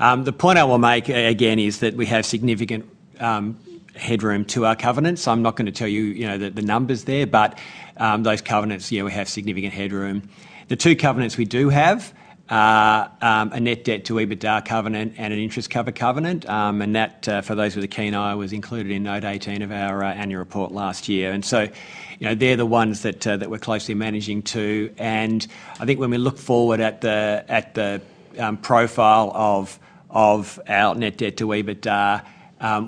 The point I will make, again, is that we have significant headroom to our covenants. I'm not going to tell you the numbers there, but those covenants, yeah, we have significant headroom. The two covenants we do have are a net debt to EBITDA covenant and an interest cover covenant. And that, for those with a keen eye, was included in note 18 of our annual report last year. And so they're the ones that we're closely managing too. I think when we look forward at the profile of our net debt to EBITDA,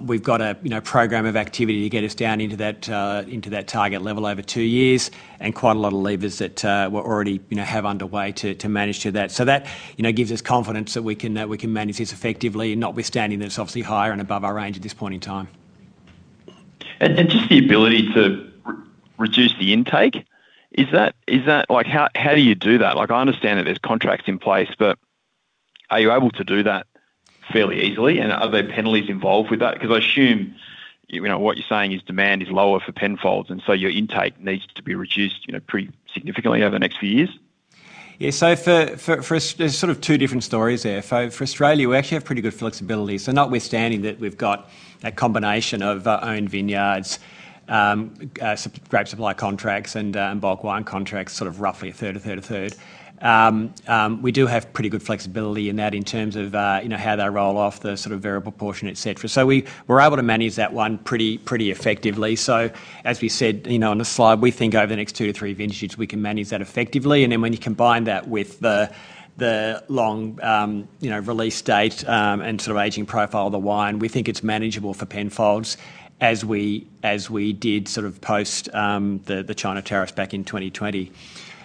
we've got a program of activity to get us down into that target level over two years and quite a lot of levers that we already have underway to manage to that. So that gives us confidence that we can manage this effectively and notwithstanding that it's obviously higher and above our range at this point in time.
Just the ability to reduce the intake, is that how do you do that? I understand that there's contracts in place, but are you able to do that fairly easily? Are there penalties involved with that? Because I assume what you're saying is demand is lower for Penfolds, and so your intake needs to be reduced pretty significantly over the next few years.
Yeah. There's sort of two different stories there. For Australia, we actually have pretty good flexibility. So notwithstanding that we've got a combination of owned vineyards, grape supply contracts, and bulk wine contracts, sort of roughly a third, a third, a third. We do have pretty good flexibility in that in terms of how they roll off the sort of variable portion, etc. So we're able to manage that one pretty effectively. So as we said on the slide, we think over the next two to three vintages we can manage that effectively. And then when you combine that with the long release date and sort of aging profile of the wine, we think it's manageable for Penfolds as we did sort of post the China tariffs back in 2020.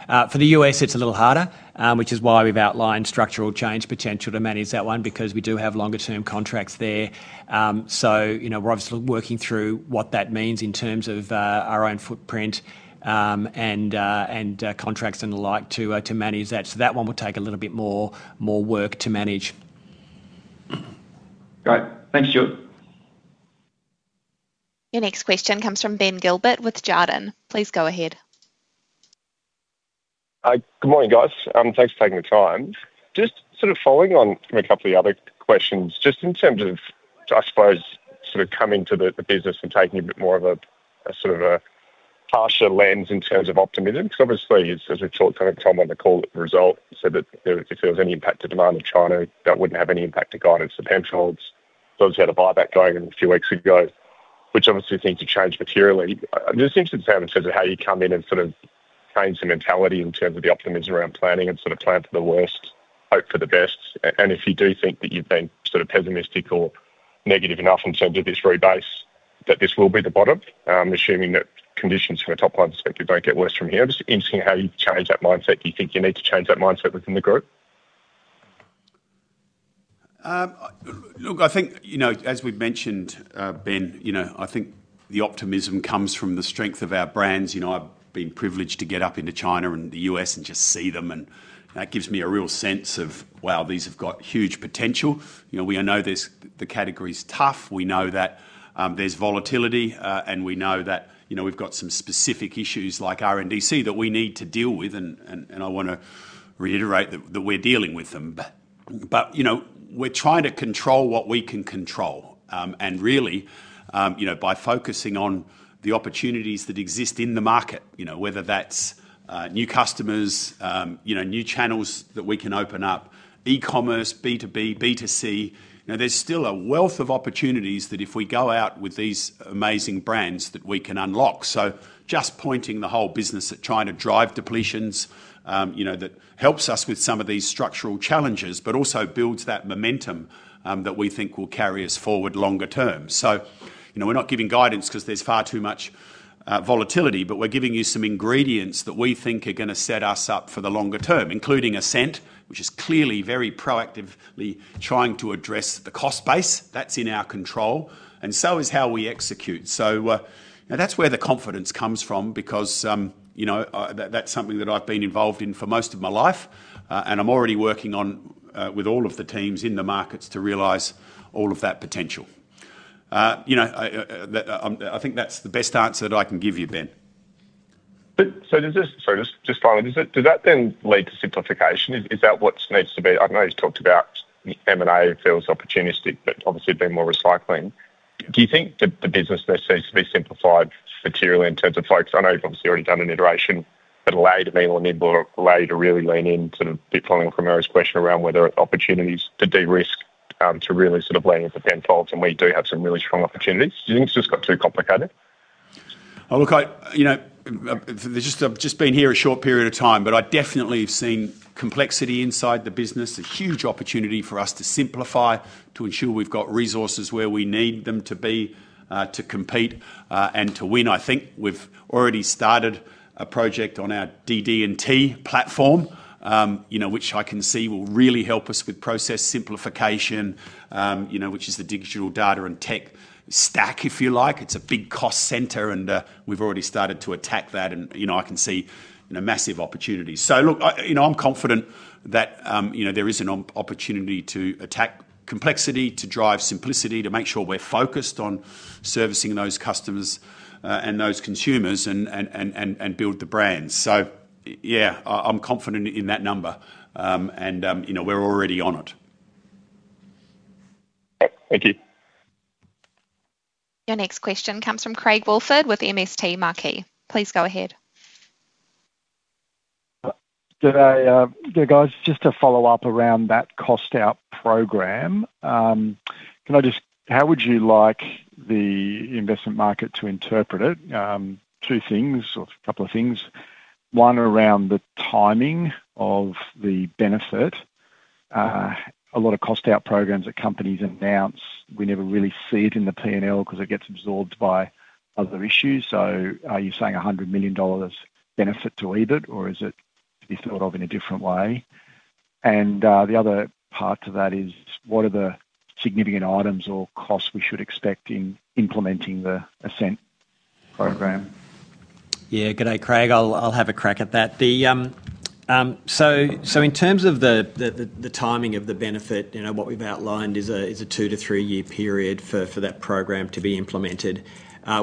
For the U.S., it's a little harder, which is why we've outlined structural change potential to manage that one because we do have longer-term contracts there. So we're obviously working through what that means in terms of our own footprint and contracts and the like to manage that. So that one will take a little bit more work to manage.
Great. Thanks, Stuart.
Your next question comes from Ben Gilbert with Jarden. Please go ahead.
Good morning, guys. Thanks for taking the time. Just sort of following on from a couple of the other questions, just in terms of, I suppose, sort of coming to the business and taking a bit more of a sort of a harsher lens in terms of optimism. Because obviously, as we talked to Tom on the call at the result, he said that if there was any impact to demand in China, that wouldn't have any impact to guidance for Penfolds. There was a bit of a buyback going a few weeks ago, which obviously things have changed materially. It's interesting in terms of how you come in and sort of change the mentality in terms of the optimism around planning and sort of plan for the worst, hope for the best. And if you do think that you've been sort of pessimistic or negative enough in terms of this rebase, that this will be the bottom, assuming that conditions from a top-line perspective don't get worse from here. Just interesting how you've changed that mindset. Do you think you need to change that mindset within the group?
Look, I think, as we've mentioned, Ben, I think the optimism comes from the strength of our brands. I've been privileged to get up into China and the U.S. and just see them. And that gives me a real sense of, wow, these have got huge potential. We know the category's tough. We know that there's volatility. And we know that we've got some specific issues like RNDC that we need to deal with. And I want to reiterate that we're dealing with them. But we're trying to control what we can control. And really, by focusing on the opportunities that exist in the market, whether that's new customers, new channels that we can open up, e-commerce, B2B, B2C, there's still a wealth of opportunities that if we go out with these amazing brands that we can unlock. So just pointing the whole business at trying to drive depletions that helps us with some of these structural challenges, but also builds that momentum that we think will carry us forward longer term. So we're not giving guidance because there's far too much volatility, but we're giving you some ingredients that we think are going to set us up for the longer term, including Ascent, which is clearly very proactively trying to address the cost base. That's in our control. And so is how we execute. So that's where the confidence comes from because that's something that I've been involved in for most of my life. And I'm already working with all of the teams in the markets to realize all of that potential. I think that's the best answer that I can give you, Ben.
So sorry, just finally, does that then lead to simplification? Is that what needs to be? I know you've talked about M&A feels opportunistic, but obviously being more recycling. Do you think the business needs to be simplified materially in terms of folks? I know you've obviously already done an iteration that allowed me or nimble allowed you to really lean in sort of following up on Michael's question around whether opportunities to de-risk to really sort of land with Penfolds, and we do have some really strong opportunities. Do you think it's just got too complicated?
Look, I've just been here a short period of time, but I definitely have seen complexity inside the business, a huge opportunity for us to simplify to ensure we've got resources where we need them to be to compete and to win. I think we've already started a project on our DD&T platform, which I can see will really help us with process simplification, which is the digital data and tech stack, if you like. It's a big cost center, and we've already started to attack that, and I can see massive opportunities. So look, I'm confident that there is an opportunity to attack complexity, to drive simplicity, to make sure we're focused on servicing those customers and those consumers and build the brands. So yeah, I'm confident in that number. And we're already on it.
Thank you. Your next question comes from Craig Woolford with MST Marquee. Please go ahead.
Yeah, guys, just to follow up around that cost-out program, can I just, how would you like the investment market to interpret it? Two things or a couple of things. One around the timing of the benefit. A lot of cost-out programs that companies announce, we never really see it in the P&L because it gets absorbed by other issues. So are you saying 100 million dollars benefit to EBIT, or is it to be thought of in a different way? And the other part to that is, what are the significant items or costs we should expect in implementing the Ascent program?
Yeah. Good day, Craig. I'll have a crack at that. So in terms of the timing of the benefit, what we've outlined is a two- to three-year period for that program to be implemented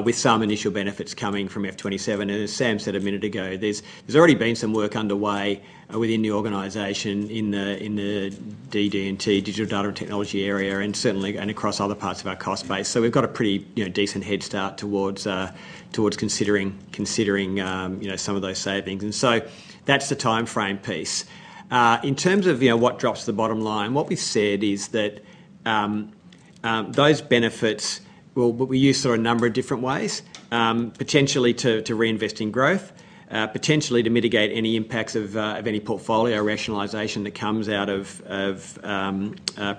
with some initial benefits coming from F27. And as Sam said a minute ago, there's already been some work underway within the organization in the DD&T Digital, Data and Technology area and across other parts of our cost base. So we've got a pretty decent head start towards considering some of those savings. And so that's the timeframe piece. In terms of what drops the bottom line, what we've said is that those benefits will be used through a number of different ways, potentially to reinvest in growth, potentially to mitigate any impacts of any portfolio rationalization that comes out of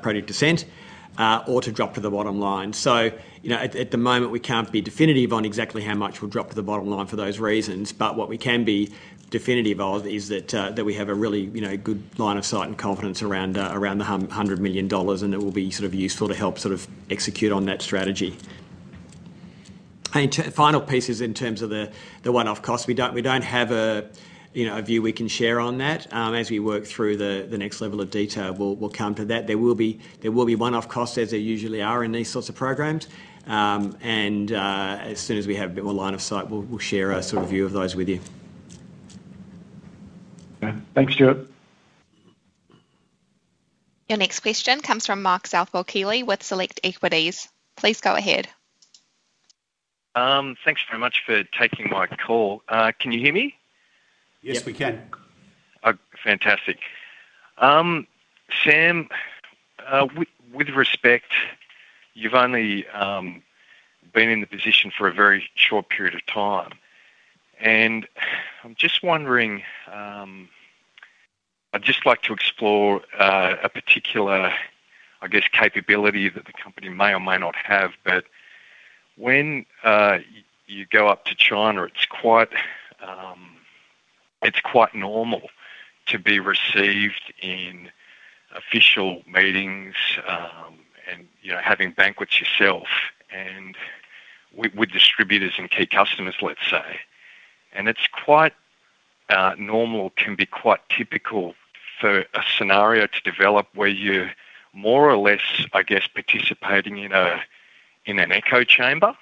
project Ascent, or to drop to the bottom line. So at the moment, we can't be definitive on exactly how much will drop to the bottom line for those reasons. But what we can be definitive of is that we have a really good line of sight and confidence around the 100 million dollars, and it will be sort of useful to help sort of execute on that strategy. Final piece is in terms of the one-off costs. We don't have a view we can share on that. As we work through the next level of detail, we'll come to that. There will be one-off costs as they usually are in these sorts of programs. And as soon as we have a bit more line of sight, we'll share a sort of view of those with you.
Okay. Thanks, Stuart.
Your next question comes from Mark Southwell-Keely with Select Equities. Please go ahead.
Thanks very much for taking my call. Can you hear me?
Yes, we can.
Fantastic. Sam, with respect, you've only been in the position for a very short period of time. And I'm just wondering, I'd just like to explore a particular, I guess, capability that the company may or may not have. But when you go up to China, it's quite normal to be received in official meetings and having banquets yourself with distributors and key customers, let's say. It's quite normal; it can be quite typical for a scenario to develop where you're more or less, I guess, participating in an echo chamber.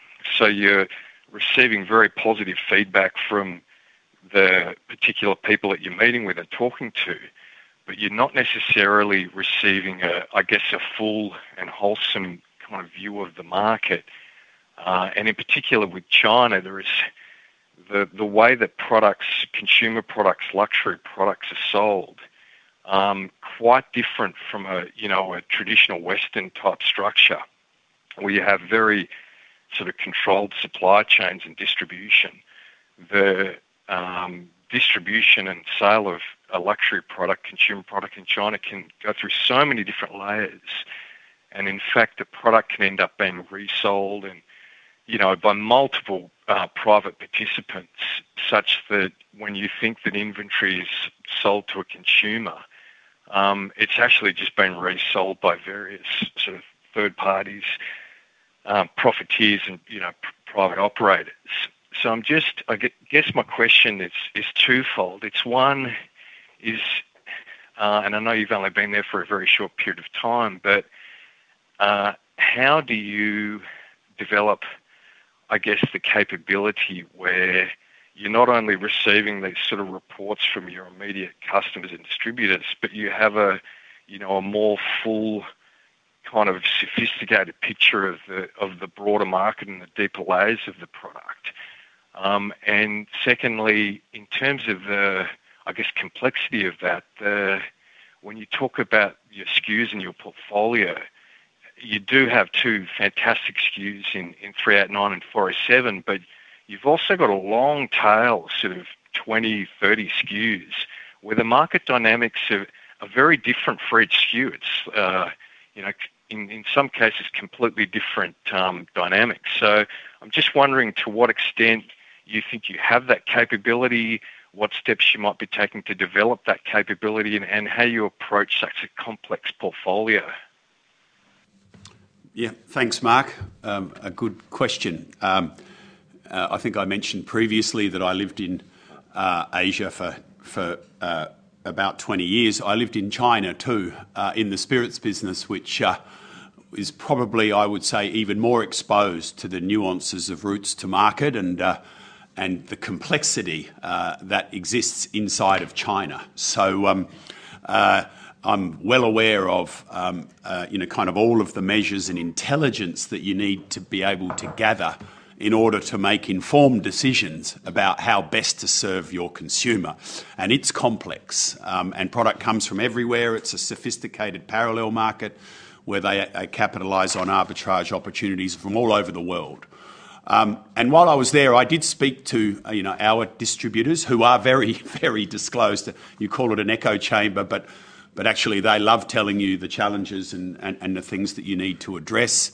You're receiving very positive feedback from the particular people that you're meeting with and talking to, but you're not necessarily receiving, I guess, a full and wholesome kind of view of the market. In particular with China, the way that consumer products, luxury products are sold, quite different from a traditional Western-type structure where you have very sort of controlled supply chains and distribution. The distribution and sale of a luxury product, consumer product in China can go through so many different layers. And in fact, the product can end up being resold by multiple private participants such that when you think that inventory is sold to a consumer, it's actually just been resold by various sort of third parties, profiteers, and private operators. So I guess my question is twofold. It's one, and I know you've only been there for a very short period of time, but how do you develop, I guess, the capability where you're not only receiving these sort of reports from your immediate customers and distributors, but you have a more full kind of sophisticated picture of the broader market and the deeper layers of the product? And secondly, in terms of the, I guess, complexity of that, when you talk about your SKUs and your portfolio, you do have two fantastic SKUs in 389 and 407, but you've also got a long tail sort of 20, 30 SKUs where the market dynamics are very different for each SKU. It's, in some cases, completely different dynamics. So I'm just wondering to what extent you think you have that capability, what steps you might be taking to develop that capability, and how you approach such a complex portfolio.
Yeah. Thanks, Mark. A good question. I think I mentioned previously that I lived in Asia for about 20 years. I lived in China too in the spirits business, which is probably, I would say, even more exposed to the nuances of routes to market and the complexity that exists inside of China. So I'm well aware of kind of all of the measures and intelligence that you need to be able to gather in order to make informed decisions about how best to serve your consumer. And it's complex. And product comes from everywhere. It's a sophisticated parallel market where they capitalize on arbitrage opportunities from all over the world. And while I was there, I did speak to our distributors who are very, very close. You call it an echo chamber, but actually, they love telling you the challenges and the things that you need to address.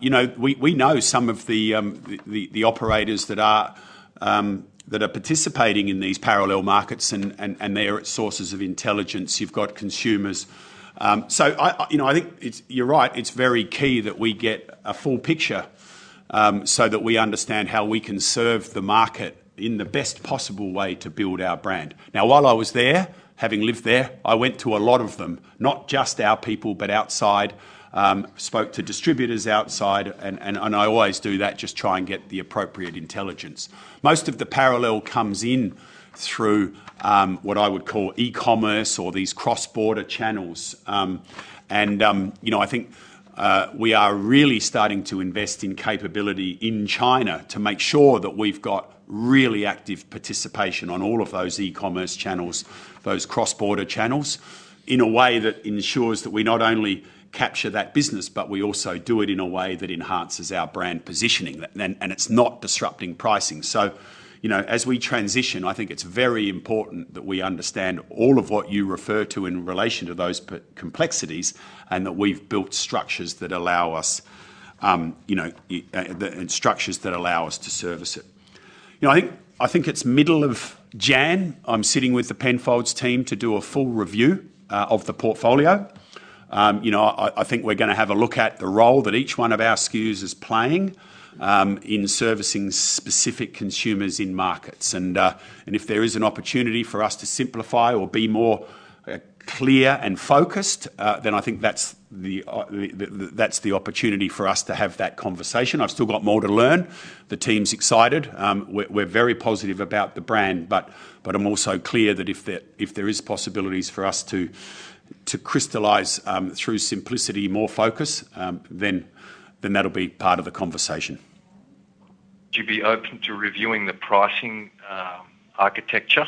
We know some of the operators that are participating in these parallel markets, and they're sources of intelligence. You've got consumers. So I think you're right. It's very key that we get a full picture so that we understand how we can serve the market in the best possible way to build our brand. Now, while I was there, having lived there, I went to a lot of them, not just our people, but outside, spoke to distributors outside. I always do that, just try and get the appropriate intelligence. Most of the parallel comes in through what I would call e-commerce or these cross-border channels. I think we are really starting to invest in capability in China to make sure that we've got really active participation on all of those e-commerce channels, those cross-border channels, in a way that ensures that we not only capture that business, but we also do it in a way that enhances our brand positioning, and it's not disrupting pricing. So as we transition, I think it's very important that we understand all of what you refer to in relation to those complexities and that we've built structures that allow us and structures that allow us to service it. I think it's middle of January. I'm sitting with the Penfolds team to do a full review of the portfolio. I think we're going to have a look at the role that each one of our SKUs is playing in servicing specific consumers in markets. And if there is an opportunity for us to simplify or be more clear and focused, then I think that's the opportunity for us to have that conversation. I've still got more to learn. The team's excited. We're very positive about the brand, but I'm also clear that if there are possibilities for us to crystallize through simplicity, more focus, then that'll be part of the conversation.
Would you be open to reviewing the pricing architecture?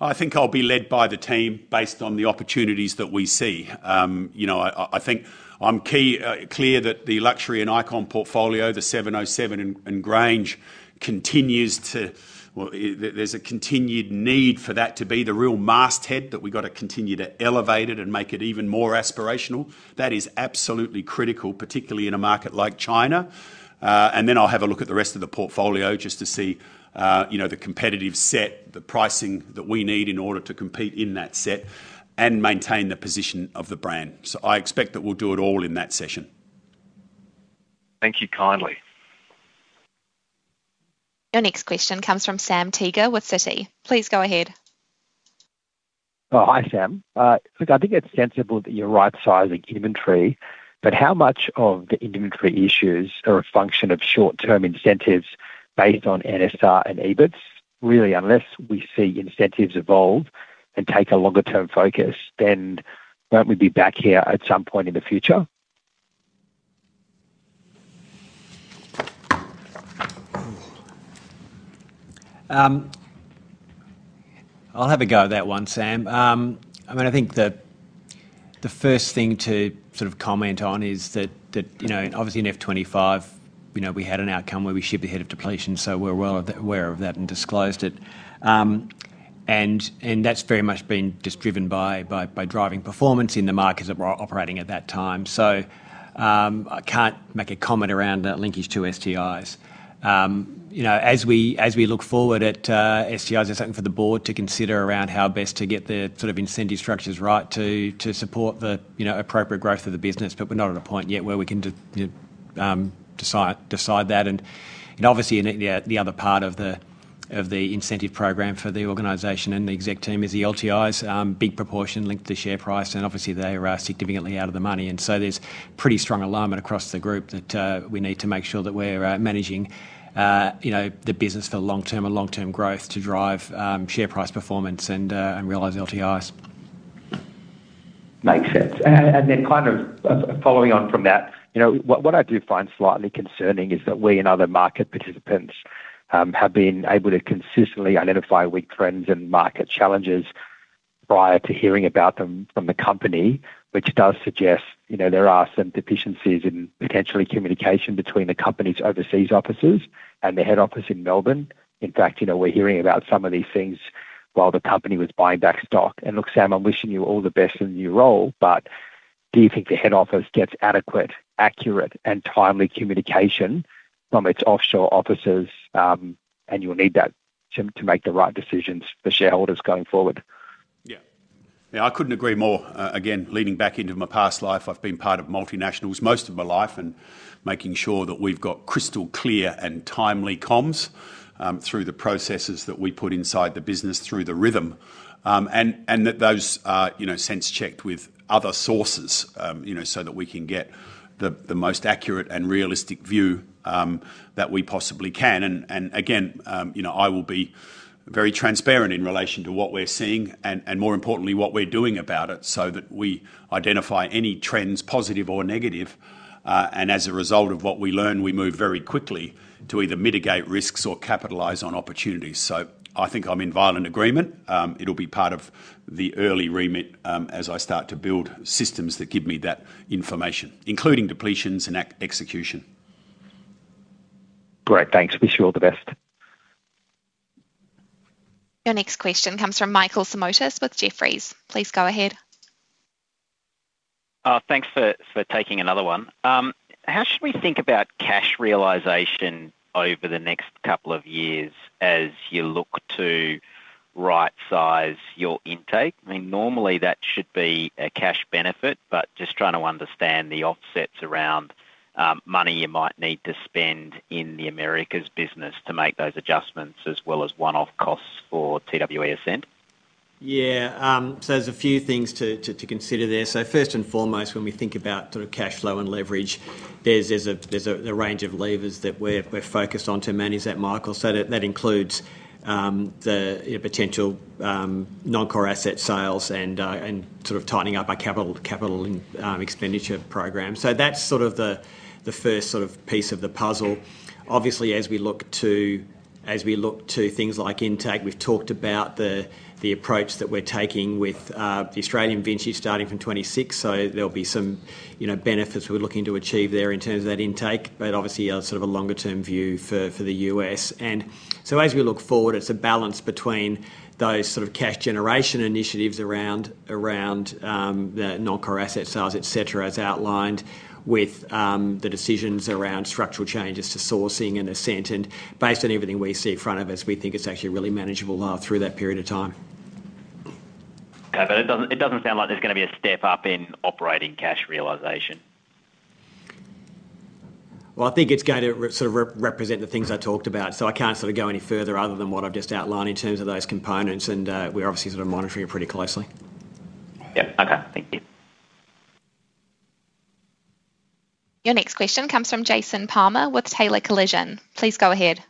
I think I'll be led by the team based on the opportunities that we see. I think I'm clear that the luxury and icon portfolio, the 707 and Grange, continues to. There's a continued need for that to be the real masthead that we've got to continue to elevate it and make it even more aspirational. That is absolutely critical, particularly in a market like China. And then I'll have a look at the rest of the portfolio just to see the competitive set, the pricing that we need in order to compete in that set and maintain the position of the brand. I expect that we'll do it all in that session.
Thank you kindly.
Your next question comes from Sam Teeger with Citi. Please go ahead.
Hi, Sam. Look, I think it's sensible that you're right-sizing inventory, but how much of the inventory issues are a function of short-term incentives based on NSR and EBITS? Really, unless we see incentives evolve and take a longer-term focus, then won't we be back here at some point in the future?
I'll have a go at that one, Sam. I mean, I think the first thing to sort of comment on is that, obviously, in F25, we had an outcome where we shipped ahead of depletion. So we're well aware of that and disclosed it. And that's very much been just driven by driving performance in the markets that we're operating at that time. So I can't make a comment around that linkage to STIs. As we look forward at STIs, there's something for the board to consider around how best to get the sort of incentive structures right to support the appropriate growth of the business. But we're not at a point yet where we can decide that. And obviously, the other part of the incentive program for the organization and the exec team is the LTIs, big proportion linked to share price. And obviously, they are significantly out of the money. And so there's pretty strong alignment across the group that we need to make sure that we're managing the business for long-term and long-term growth to drive share price performance and realise LTIs.
Makes sense. And then, kind of following on from that, what I do find slightly concerning is that we and other market participants have been able to consistently identify weak trends and market challenges prior to hearing about them from the company, which does suggest there are some deficiencies in potentially communication between the company's overseas offices and the head office in Melbourne. In fact, we're hearing about some of these things while the company was buying back stock. And look, Sam, I'm wishing you all the best in your role, but do you think the head office gets adequate, accurate, and timely communication from its offshore offices? And you'll need that to make the right decisions for shareholders going forward.
Yeah. Yeah, I couldn't agree more. Again, leaning back into my past life, I've been part of multinationals most of my life and making sure that we've got crystal clear and timely comms through the processes that we put inside the business through the rhythm and that those are sense-checked with other sources so that we can get the most accurate and realistic view that we possibly can. And again, I will be very transparent in relation to what we're seeing and, more importantly, what we're doing about it so that we identify any trends, positive or negative. And as a result of what we learn, we move very quickly to either mitigate risks or capitalize on opportunities. So I think I'm in violent agreement. It'll be part of the early remit as I start to build systems that give me that information, including depletions and execution.
Great. Thanks. Wish you all the best.
Your next question comes from Michael Simotas with Jefferies. Please go ahead.
Thanks for taking another one. How should we think about cash realization over the next couple of years as you look to right-size your intake? I mean, normally, that should be a cash benefit, but just trying to understand the offsets around money you might need to spend in the Americas business to make those adjustments as well as one-off costs for TWE Ascent.
Yeah. So there's a few things to consider there. So first and foremost, when we think about sort of cash flow and leverage, there's a range of levers that we're focused on to manage that, Michael. So that includes the potential non-core asset sales and sort of tightening up our capital expenditure program. So that's sort of the first sort of piece of the puzzle. Obviously, as we look to things like intake, we've talked about the approach that we're taking with the Australian vintage starting from 2026. So there'll be some benefits we're looking to achieve there in terms of that intake, but obviously, sort of a longer-term view for the U.S. And so as we look forward, it's a balance between those sort of cash generation initiatives around the non-core asset sales, etc., as outlined with the decisions around structural changes to sourcing and Ascent. And based on everything we see in front of us, we think it's actually really manageable through that period of time.
Yeah, but it doesn't sound like there's going to be a step up in operating cash realization.
Well, I think it's going to sort of represent the things I talked about. So I can't sort of go any further other than what I've just outlined in terms of those components. And we're obviously sort of monitoring it pretty closely.
Yeah. Okay. Thank you.
Your next question comes from Jason Palmer with Taylor Collison. Please go ahead.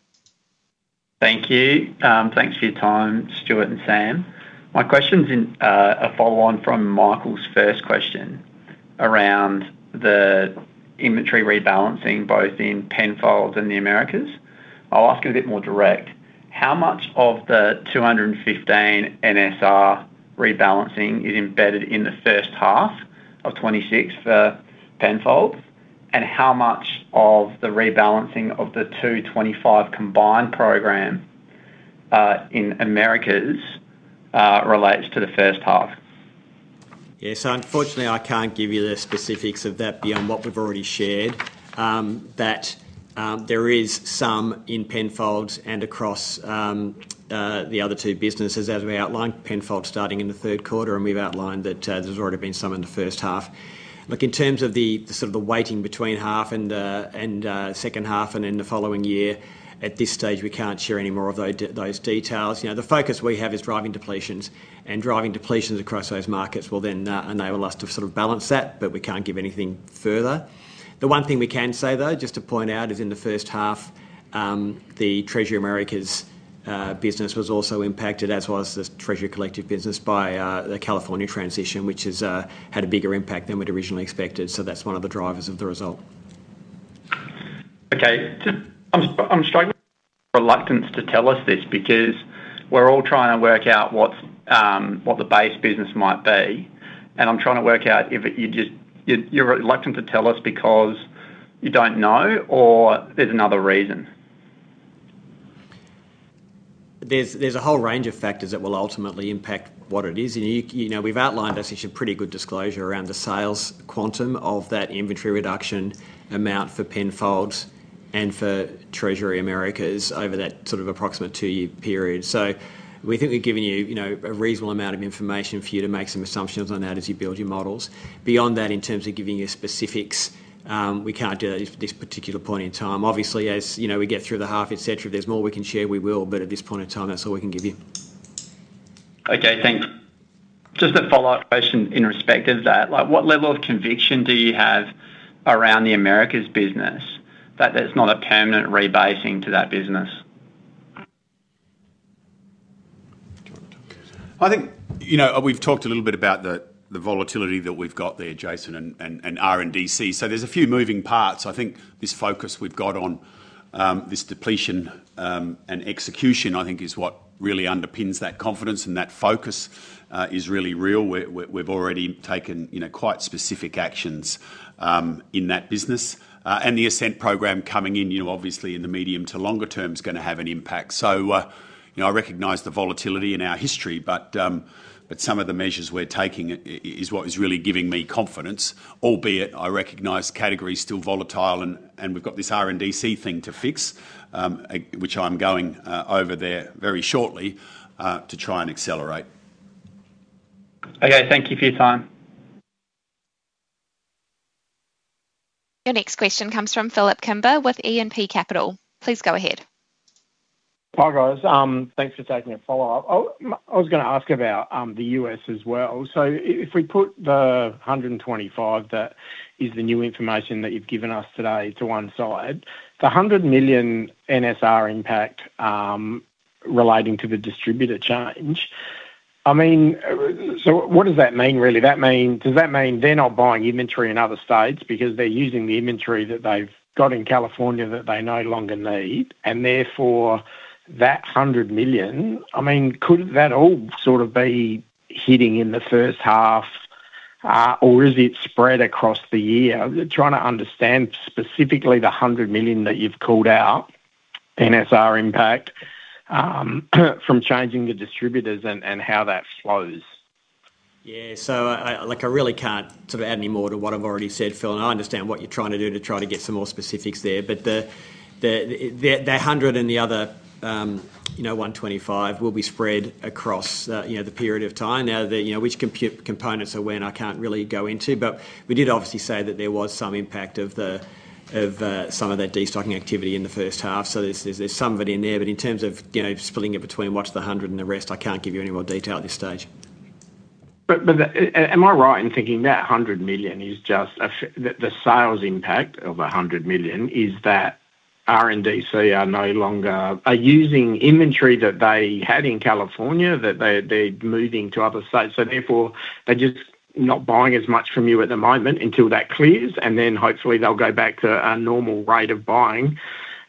Thank you. Thanks for your time, Stuart and Sam. My question's a follow-on from Michael's first question around the inventory rebalancing both in Penfolds and the Americas. I'll ask it a bit more direct. How much of the 215 NSR rebalancing is embedded in the first half of 2026 for Penfolds? And how much of the rebalancing of the 225 combined program in Americas relates to the first half?
Yeah. So unfortunately, I can't give you the specifics of that beyond what we've already shared, that there is some in Penfolds and across the other two businesses, as we outlined, Penfolds starting in the third quarter. And we've outlined that there's already been some in the first half. Look, in terms of the sort of the weighting between half and second half and then the following year, at this stage, we can't share any more of those details. The focus we have is driving depletions. And driving depletions across those markets will then enable us to sort of balance that, but we can't give anything further. The one thing we can say, though, just to point out, is in the first half, the Treasury Americas business was also impacted, as was the Treasury Collective business by the California transition, which had a bigger impact than we'd originally expected. So that's one of the drivers of the result.
Okay. I'm struggling with reluctance to tell us this because we're all trying to work out what the base business might be. And I'm trying to work out if you're reluctant to tell us because you don't know or there's another reason.
There's a whole range of factors that will ultimately impact what it is. And we've outlined, I think, some pretty good disclosure around the sales quantum of that inventory reduction amount for Penfolds and for Treasury Americas over that sort of approximate two-year period. So we think we've given you a reasonable amount of information for you to make some assumptions on that as you build your models. Beyond that, in terms of giving you specifics, we can't do that at this particular point in time. Obviously, as we get through the half, etc., if there's more we can share, we will. But at this point in time, that's all we can give you.
Okay. Thanks. Just a follow-up question in respect of that. What level of conviction do you have around the Americas business that there's not a permanent rebasing to that business?
I think we've talked a little bit about the volatility that we've got there, Jason, and RNDC. So there's a few moving parts. I think this focus we've got on this depletion and execution, I think, is what really underpins that confidence. And that focus is really real. We've already taken quite specific actions in that business. And the Ascent program coming in, obviously, in the medium to longer term is going to have an impact. I recognize the volatility in our history, but some of the measures we're taking is what is really giving me confidence, albeit I recognize categories still volatile. And we've got this RNDC thing to fix, which I'm going over there very shortly to try and accelerate.
Okay. Thank you for your time.
Your next question comes from Phillip Kimber with E&P Capital. Please go ahead.
Hi, guys. Thanks for taking a follow-up. I was going to ask about the U.S. as well. So if we put the 125 million, that is the new information that you've given us today, to one side, the 100 million NSR impact relating to the distributor change, I mean, so what does that mean, really? Does that mean they're not buying inventory in other states because they're using the inventory that they've got in California that they no longer need? And therefore, that 100 million, I mean, could that all sort of be hitting in the first half, or is it spread across the year? Trying to understand specifically the 100 million that you've called out, NSR impact from changing the distributors and how that flows.
Yeah. So I really can't sort of add any more to what I've already said, Phil. And I understand what you're trying to do to try to get some more specifics there. But the 100 million and the other 125 million will be spread across the period of time. Now, which components are when, I can't really go into. But we did obviously say that there was some impact of some of that destocking activity in the first half. So there's some in there. In terms of splitting it between what's the 100 and the rest, I can't give you any more detail at this stage.
Am I right in thinking that 100 million is just the sales impact of 100 million? Is that RNDC are no longer using inventory that they had in California that they're moving to other states? So therefore, they're just not buying as much from you at the moment until that clears, and then hopefully, they'll go back to a normal rate of buying.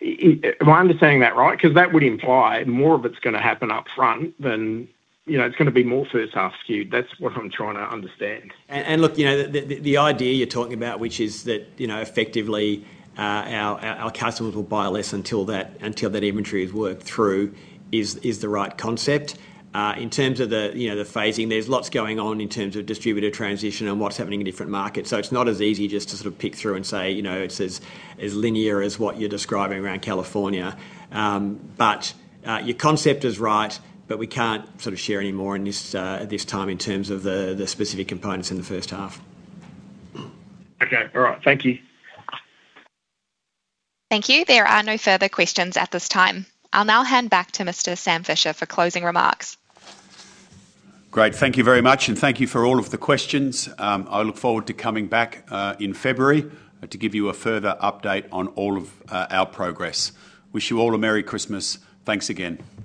Am I understanding that right? Because that would imply more of it's going to happen upfront than it's going to be more first-half skewed. That's what I'm trying to understand.
Look, the idea you're talking about, which is that effectively our customers will buy less until that inventory is worked through, is the right concept. In terms of the phasing, there's lots going on in terms of distributor transition and what's happening in different markets, so it's not as easy just to sort of pick through and say it's as linear as what you're describing around California, but your concept is right, but we can't sort of share any more at this time in terms of the specific components in the first half.
Okay. All right. Thank you.
Thank you. There are no further questions at this time. I'll now hand back to Mr. Sam Fischer for closing remarks.
Great. Thank you very much, and thank you for all of the questions. I look forward to coming back in February to give you a further update on all of our progress. Wish you all a Merry Christmas. Thanks again. Bye.